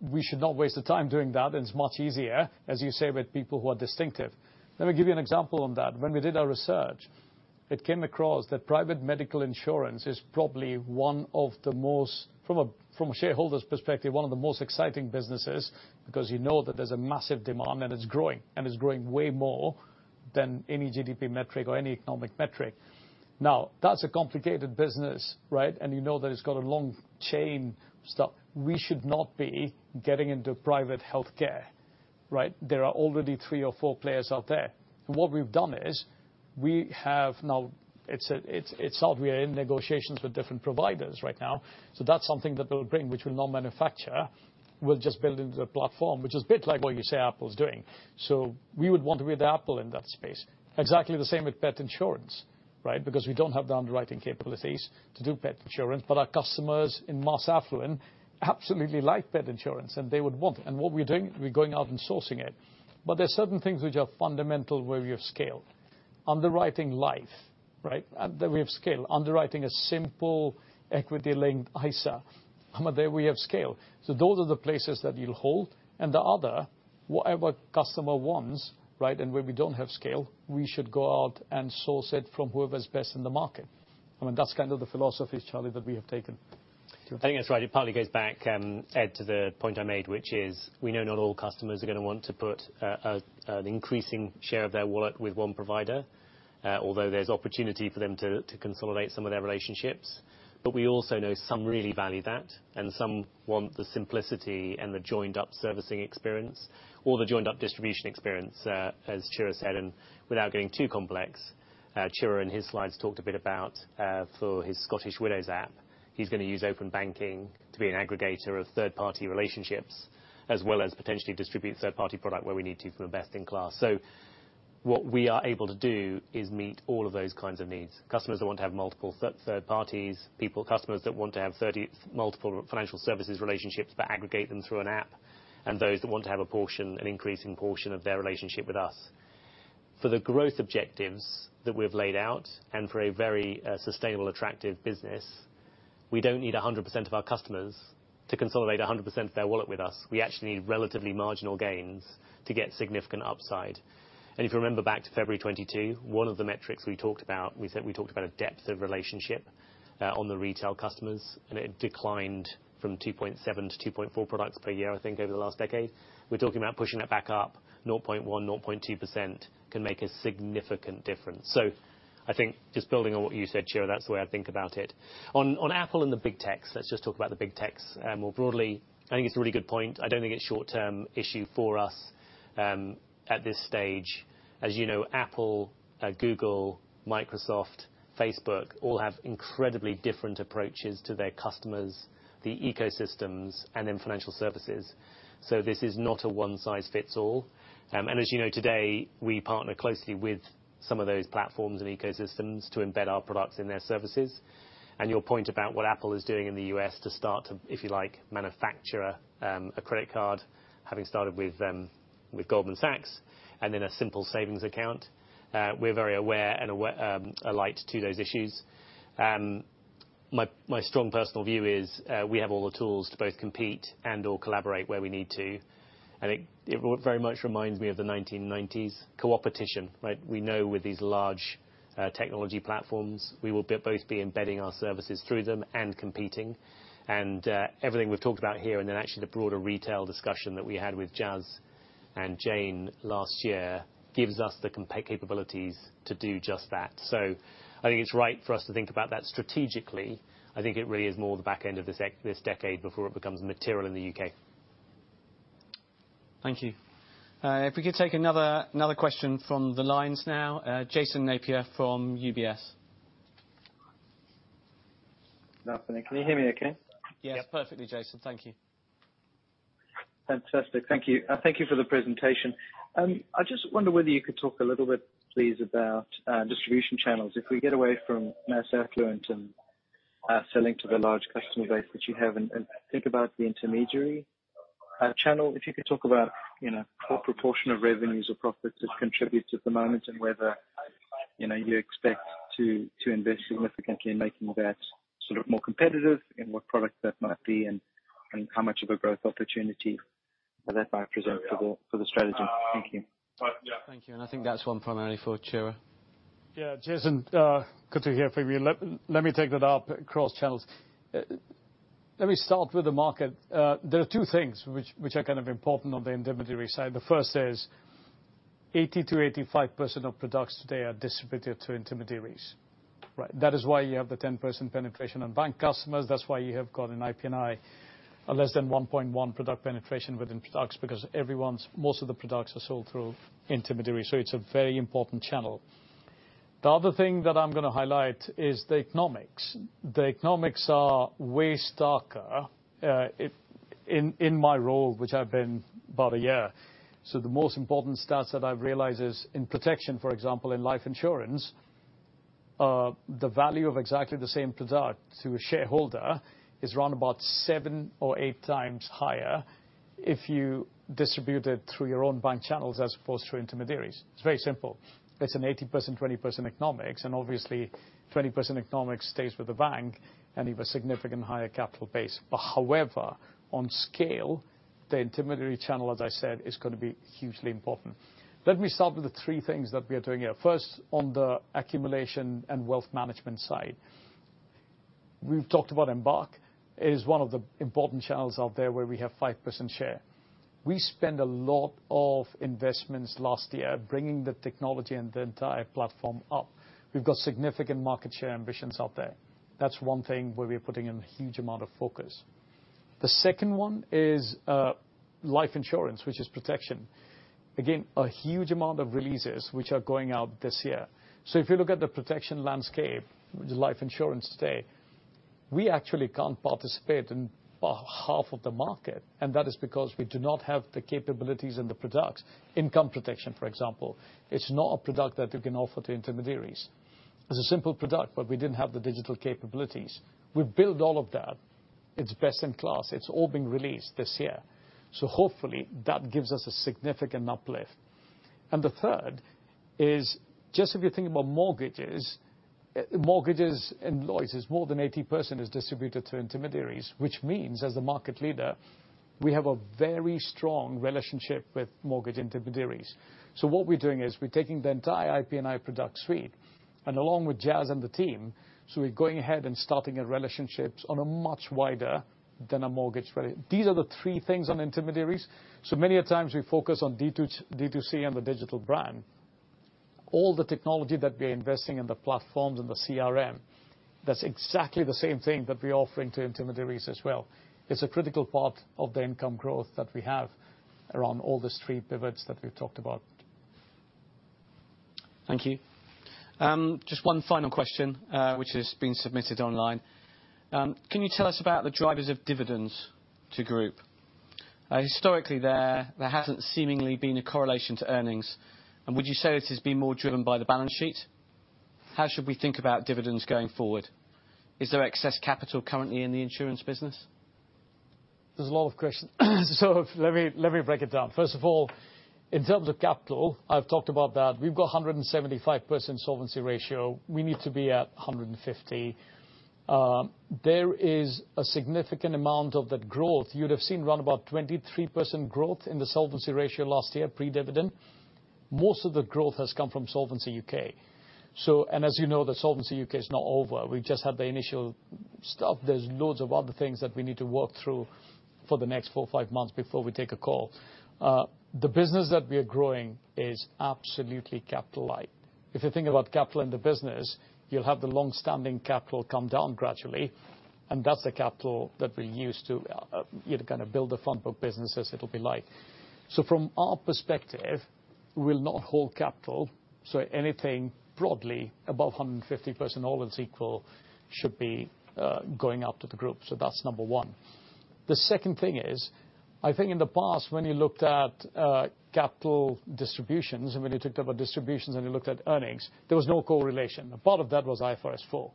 we should not waste the time doing that, and it's much easier, as you say, with people who are distinctive. Let me give you an example on that. When we did our research, it came across that private medical insurance is probably one of the most. From a shareholder's perspective, one of the most exciting businesses, because you know that there's a massive demand, and it's growing, and it's growing way more than any GDP metric or any economic metric. Now, that's a complicated business, right? And you know that it's got a long chain stuff. We should not be getting into private healthcare, right? There are already three or four players out there. What we've done is, we have now. It's out, we are in negotiations with different providers right now. So that's something that they'll bring, which we will not manufacture. We'll just build into the platform, which is a bit like what you say Apple is doing. So we would want to be the Apple in that space. Exactly the same with pet insurance, right? Because we don't have the underwriting capabilities to do pet insurance, but our customers in Mass Affluent absolutely like pet insurance, and they would want. And what we're doing, we're going out and sourcing it. But there are certain things which are fundamental where we have scale. Underwriting life, right? That we have scale. Underwriting a simple equity-linked ISA, there we have scale. So those are the places that you'll hold. And the other, whatever customer wants, right, and where we don't have scale, we should go out and source it from whoever's best in the market. I mean, that's kind of the philosophy, Charlie, that we have taken. I think that's right. It partly goes back, Ed, to the point I made, which is we know not all customers are gonna want to put an increasing share of their wallet with one provider, although there's opportunity for them to consolidate some of their relationships. But we also know some really value that, and some want the simplicity and the joined-up servicing experience or the joined-up distribution experience, as Chira said, and without getting too complex. Chira, in his slides, talked a bit about, for his Scottish Widows app. He's gonna use Open Banking to be an aggregator of third-party relationships, as well as potentially distribute third-party product where we need to from a best-in-class. So what we are able to do is meet all of those kinds of needs. Customers that want to have multiple third parties, customers that want to have multiple financial services relationships, but aggregate them through an app, and those that want to have a portion, an increasing portion of their relationship with us. For the growth objectives that we've laid out and for a very sustainable, attractive business, we don't need 100% of our customers to consolidate 100% of their wallet with us. We actually need relatively marginal gains to get significant upside. And if you remember back to February 2022, one of the metrics we talked about, we said we talked about a depth of relationship on the retail customers, and it declined from 2.7 to 2.4 products per year, I think, over the last decade. We're talking about pushing it back up 0.1%-0.2% can make a significant difference. So I think just building on what you said, Chira, that's the way I think about it. On Apple and the big techs, let's just talk about the big techs more broadly. I think it's a really good point. I don't think it's short-term issue for us at this stage. As you know, Apple, Google, Microsoft, Facebook, all have incredibly different approaches to their customers, the ecosystems, and then financial services. So this is not a one-size-fits-all. And as you know, today, we partner closely with some of those platforms and ecosystems to embed our products in their services. And your point about what Apple is doing in the U.S. to start to, if you like, manufacture a credit card, having started with with Goldman Sachs and then a simple savings account. We're very aware and alive to those issues. My strong personal view is we have all the tools to both compete and/or collaborate where we need to. And it, it very much reminds me of the 1990s coopetition, right? We know with these large technology platforms, we will both be embedding our services through them and competing. And everything we've talked about here, and then actually the broader retail discussion that we had with Jas and Jayne last year, gives us the capabilities to do just that. So I think it's right for us to think about that strategically. I think it really is more the back end of this decade before it becomes material in the U.K. Thank you. If we could take another question from the lines now, Jason Napier from UBS. Good afternoon. Can you hear me okay? Yes, perfectly, Jason. Thank you. Fantastic. Thank you. Thank you for the presentation. I just wonder whether you could talk a little bit, please, about distribution channels. If we get away from Mass Affluent and selling to the large customer base that you have, and think about the intermediary channel. If you could talk about, you know, what proportion of revenues or profits it contributes at the moment, and whether, you know, you expect to invest significantly in making that sort of more competitive, and what products that might be, and how much of a growth opportunity that might present for the strategy. Thank you. Yeah. Thank you, and I think that's one primarily for Chira. Yeah, Jason, good to hear from you. Let me take that up across channels. Let me start with the market. There are two things which are kind of important on the intermediary side. The first is 80%-85% of products today are distributed to intermediaries, right? That is why you have the 10% penetration on bank customers. That's why you have got an IP&I, less than 1.1 product penetration within products, because most of the products are sold through intermediaries, so it's a very important channel. The other thing that I'm gonna highlight is the economics. The economics are way starker in my role, which I've been about a year. So the most important stats that I've realized is in protection, for example, in life insurance, the value of exactly the same product to a shareholder is around about 7 or 8 times higher if you distribute it through your own bank channels as opposed to intermediaries. It's very simple. It's an 80%, 20% economics, and obviously, 20% economics stays with the bank, and you have a significant higher capital base. But however, on scale, the intermediary channel, as I said, is gonna be hugely important. Let me start with the 3 things that we are doing here. First, on the accumulation and wealth management side. We've talked about Embark. It is one of the important channels out there where we have 5% share. We spent a lot of investments last year bringing the technology and the entire platform up. We've got significant market share ambitions out there. That's one thing where we're putting in a huge amount of focus. The second one is, life insurance, which is protection. Again, a huge amount of releases which are going out this year. So if you look at the protection landscape, the life insurance today, we actually can't participate in half of the market, and that is because we do not have the capabilities and the products. Income protection, for example, it's not a product that you can offer to intermediaries. It's a simple product, but we didn't have the digital capabilities. We've built all of that. It's best in class. It's all being released this year. So hopefully, that gives us a significant uplift. The third is just if you think about mortgages, mortgages in Lloyds is more than 80% distributed to intermediaries, which means, as the market leader, we have a very strong relationship with mortgage intermediaries. So what we're doing is we're taking the entire IP&I product suite, and along with Jas and the team, so we're going ahead and starting relationships on a much wider than a mortgage variety. These are the three things on intermediaries. So many a times, we focus on D2, D2C and the digital brand. All the technology that we are investing in the platforms and the CRM, that's exactly the same thing that we're offering to intermediaries as well. It's a critical part of the income growth that we have around all these three pivots that we've talked about. Thank you. Just one final question, which has been submitted online. Can you tell us about the drivers of dividends to group? Historically, there hasn't seemingly been a correlation to earnings, and would you say it has been more driven by the balance sheet? How should we think about dividends going forward? Is there excess capital currently in the insurance business? There's a lot of questions, so let me break it down. First of all, in terms of capital, I've talked about that. We've got a 175% solvency ratio. We need to be at 150. There is a significant amount of that growth. You'd have seen round about 23% growth in the solvency ratio last year, pre-dividend most of the growth has come from Solvency UK. And as you know, the Solvency UK is not over. We've just had the initial stuff. There's loads of other things that we need to work through for the next four or five months before we take a call. The business that we are growing is absolutely capital light. If you think about capital in the business, you'll have the long-standing capital come down gradually, and that's the capital that we use to, you know, kind of build the front book business as it'll be like. So from our perspective, we'll not hold capital, so anything broadly above 150%, all else equal, should be going up to the group. So that's number one. The second thing is, I think in the past, when you looked at capital distributions, and when you talked about distributions and you looked at earnings, there was no correlation. A part of that was IFRS 4,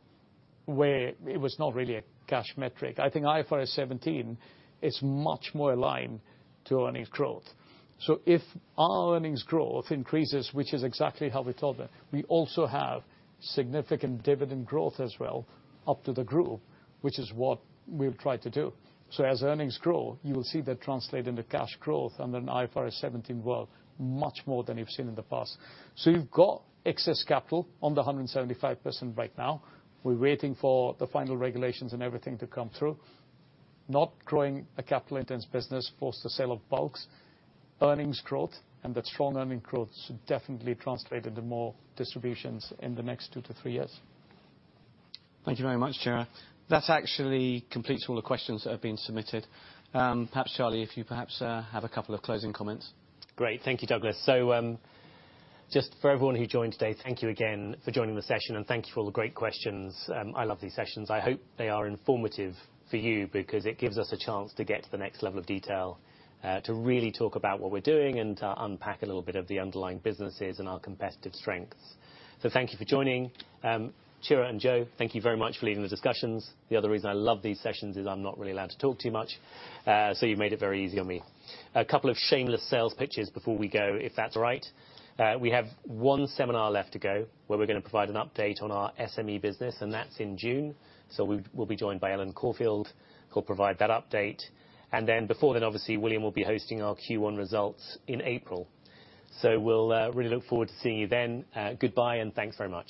where it was not really a cash metric. I think IFRS 17 is much more aligned to earnings growth. So if our earnings growth increases, which is exactly how we thought it, we also have significant dividend growth as well up to the group, which is what we've tried to do. So as earnings grow, you will see that translate into cash growth under an IFRS 17 world, much more than you've seen in the past. So you've got excess capital on the 175% right now. We're waiting for the final regulations and everything to come through. Not growing a capital-intensive business post the sale of bulks, earnings growth, and that strong earning growth should definitely translate into more distributions in the next 2-3 years. Thank you very much, Chira. That actually completes all the questions that have been submitted. Perhaps, Charlie, if you perhaps have a couple of closing comments. Great. Thank you, Douglas. So, just for everyone who joined today, thank you again for joining the session, and thank you for all the great questions. I love these sessions. I hope they are informative for you because it gives us a chance to get to the next level of detail, to really talk about what we're doing and to unpack a little bit of the underlying businesses and our competitive strengths. So thank you for joining. Chira and Jo, thank you very much for leading the discussions. The other reason I love these sessions is I'm not really allowed to talk too much, so you've made it very easy on me. A couple of shameless sales pitches before we go, if that's all right. We have one seminar left to go, where we're going to provide an update on our SME business, and that's in June. So we'll be joined by Elyn Corfield, who'll provide that update. And then before then, obviously, William will be hosting our Q1 results in April. So we'll really look forward to seeing you then. Goodbye, and thanks very much.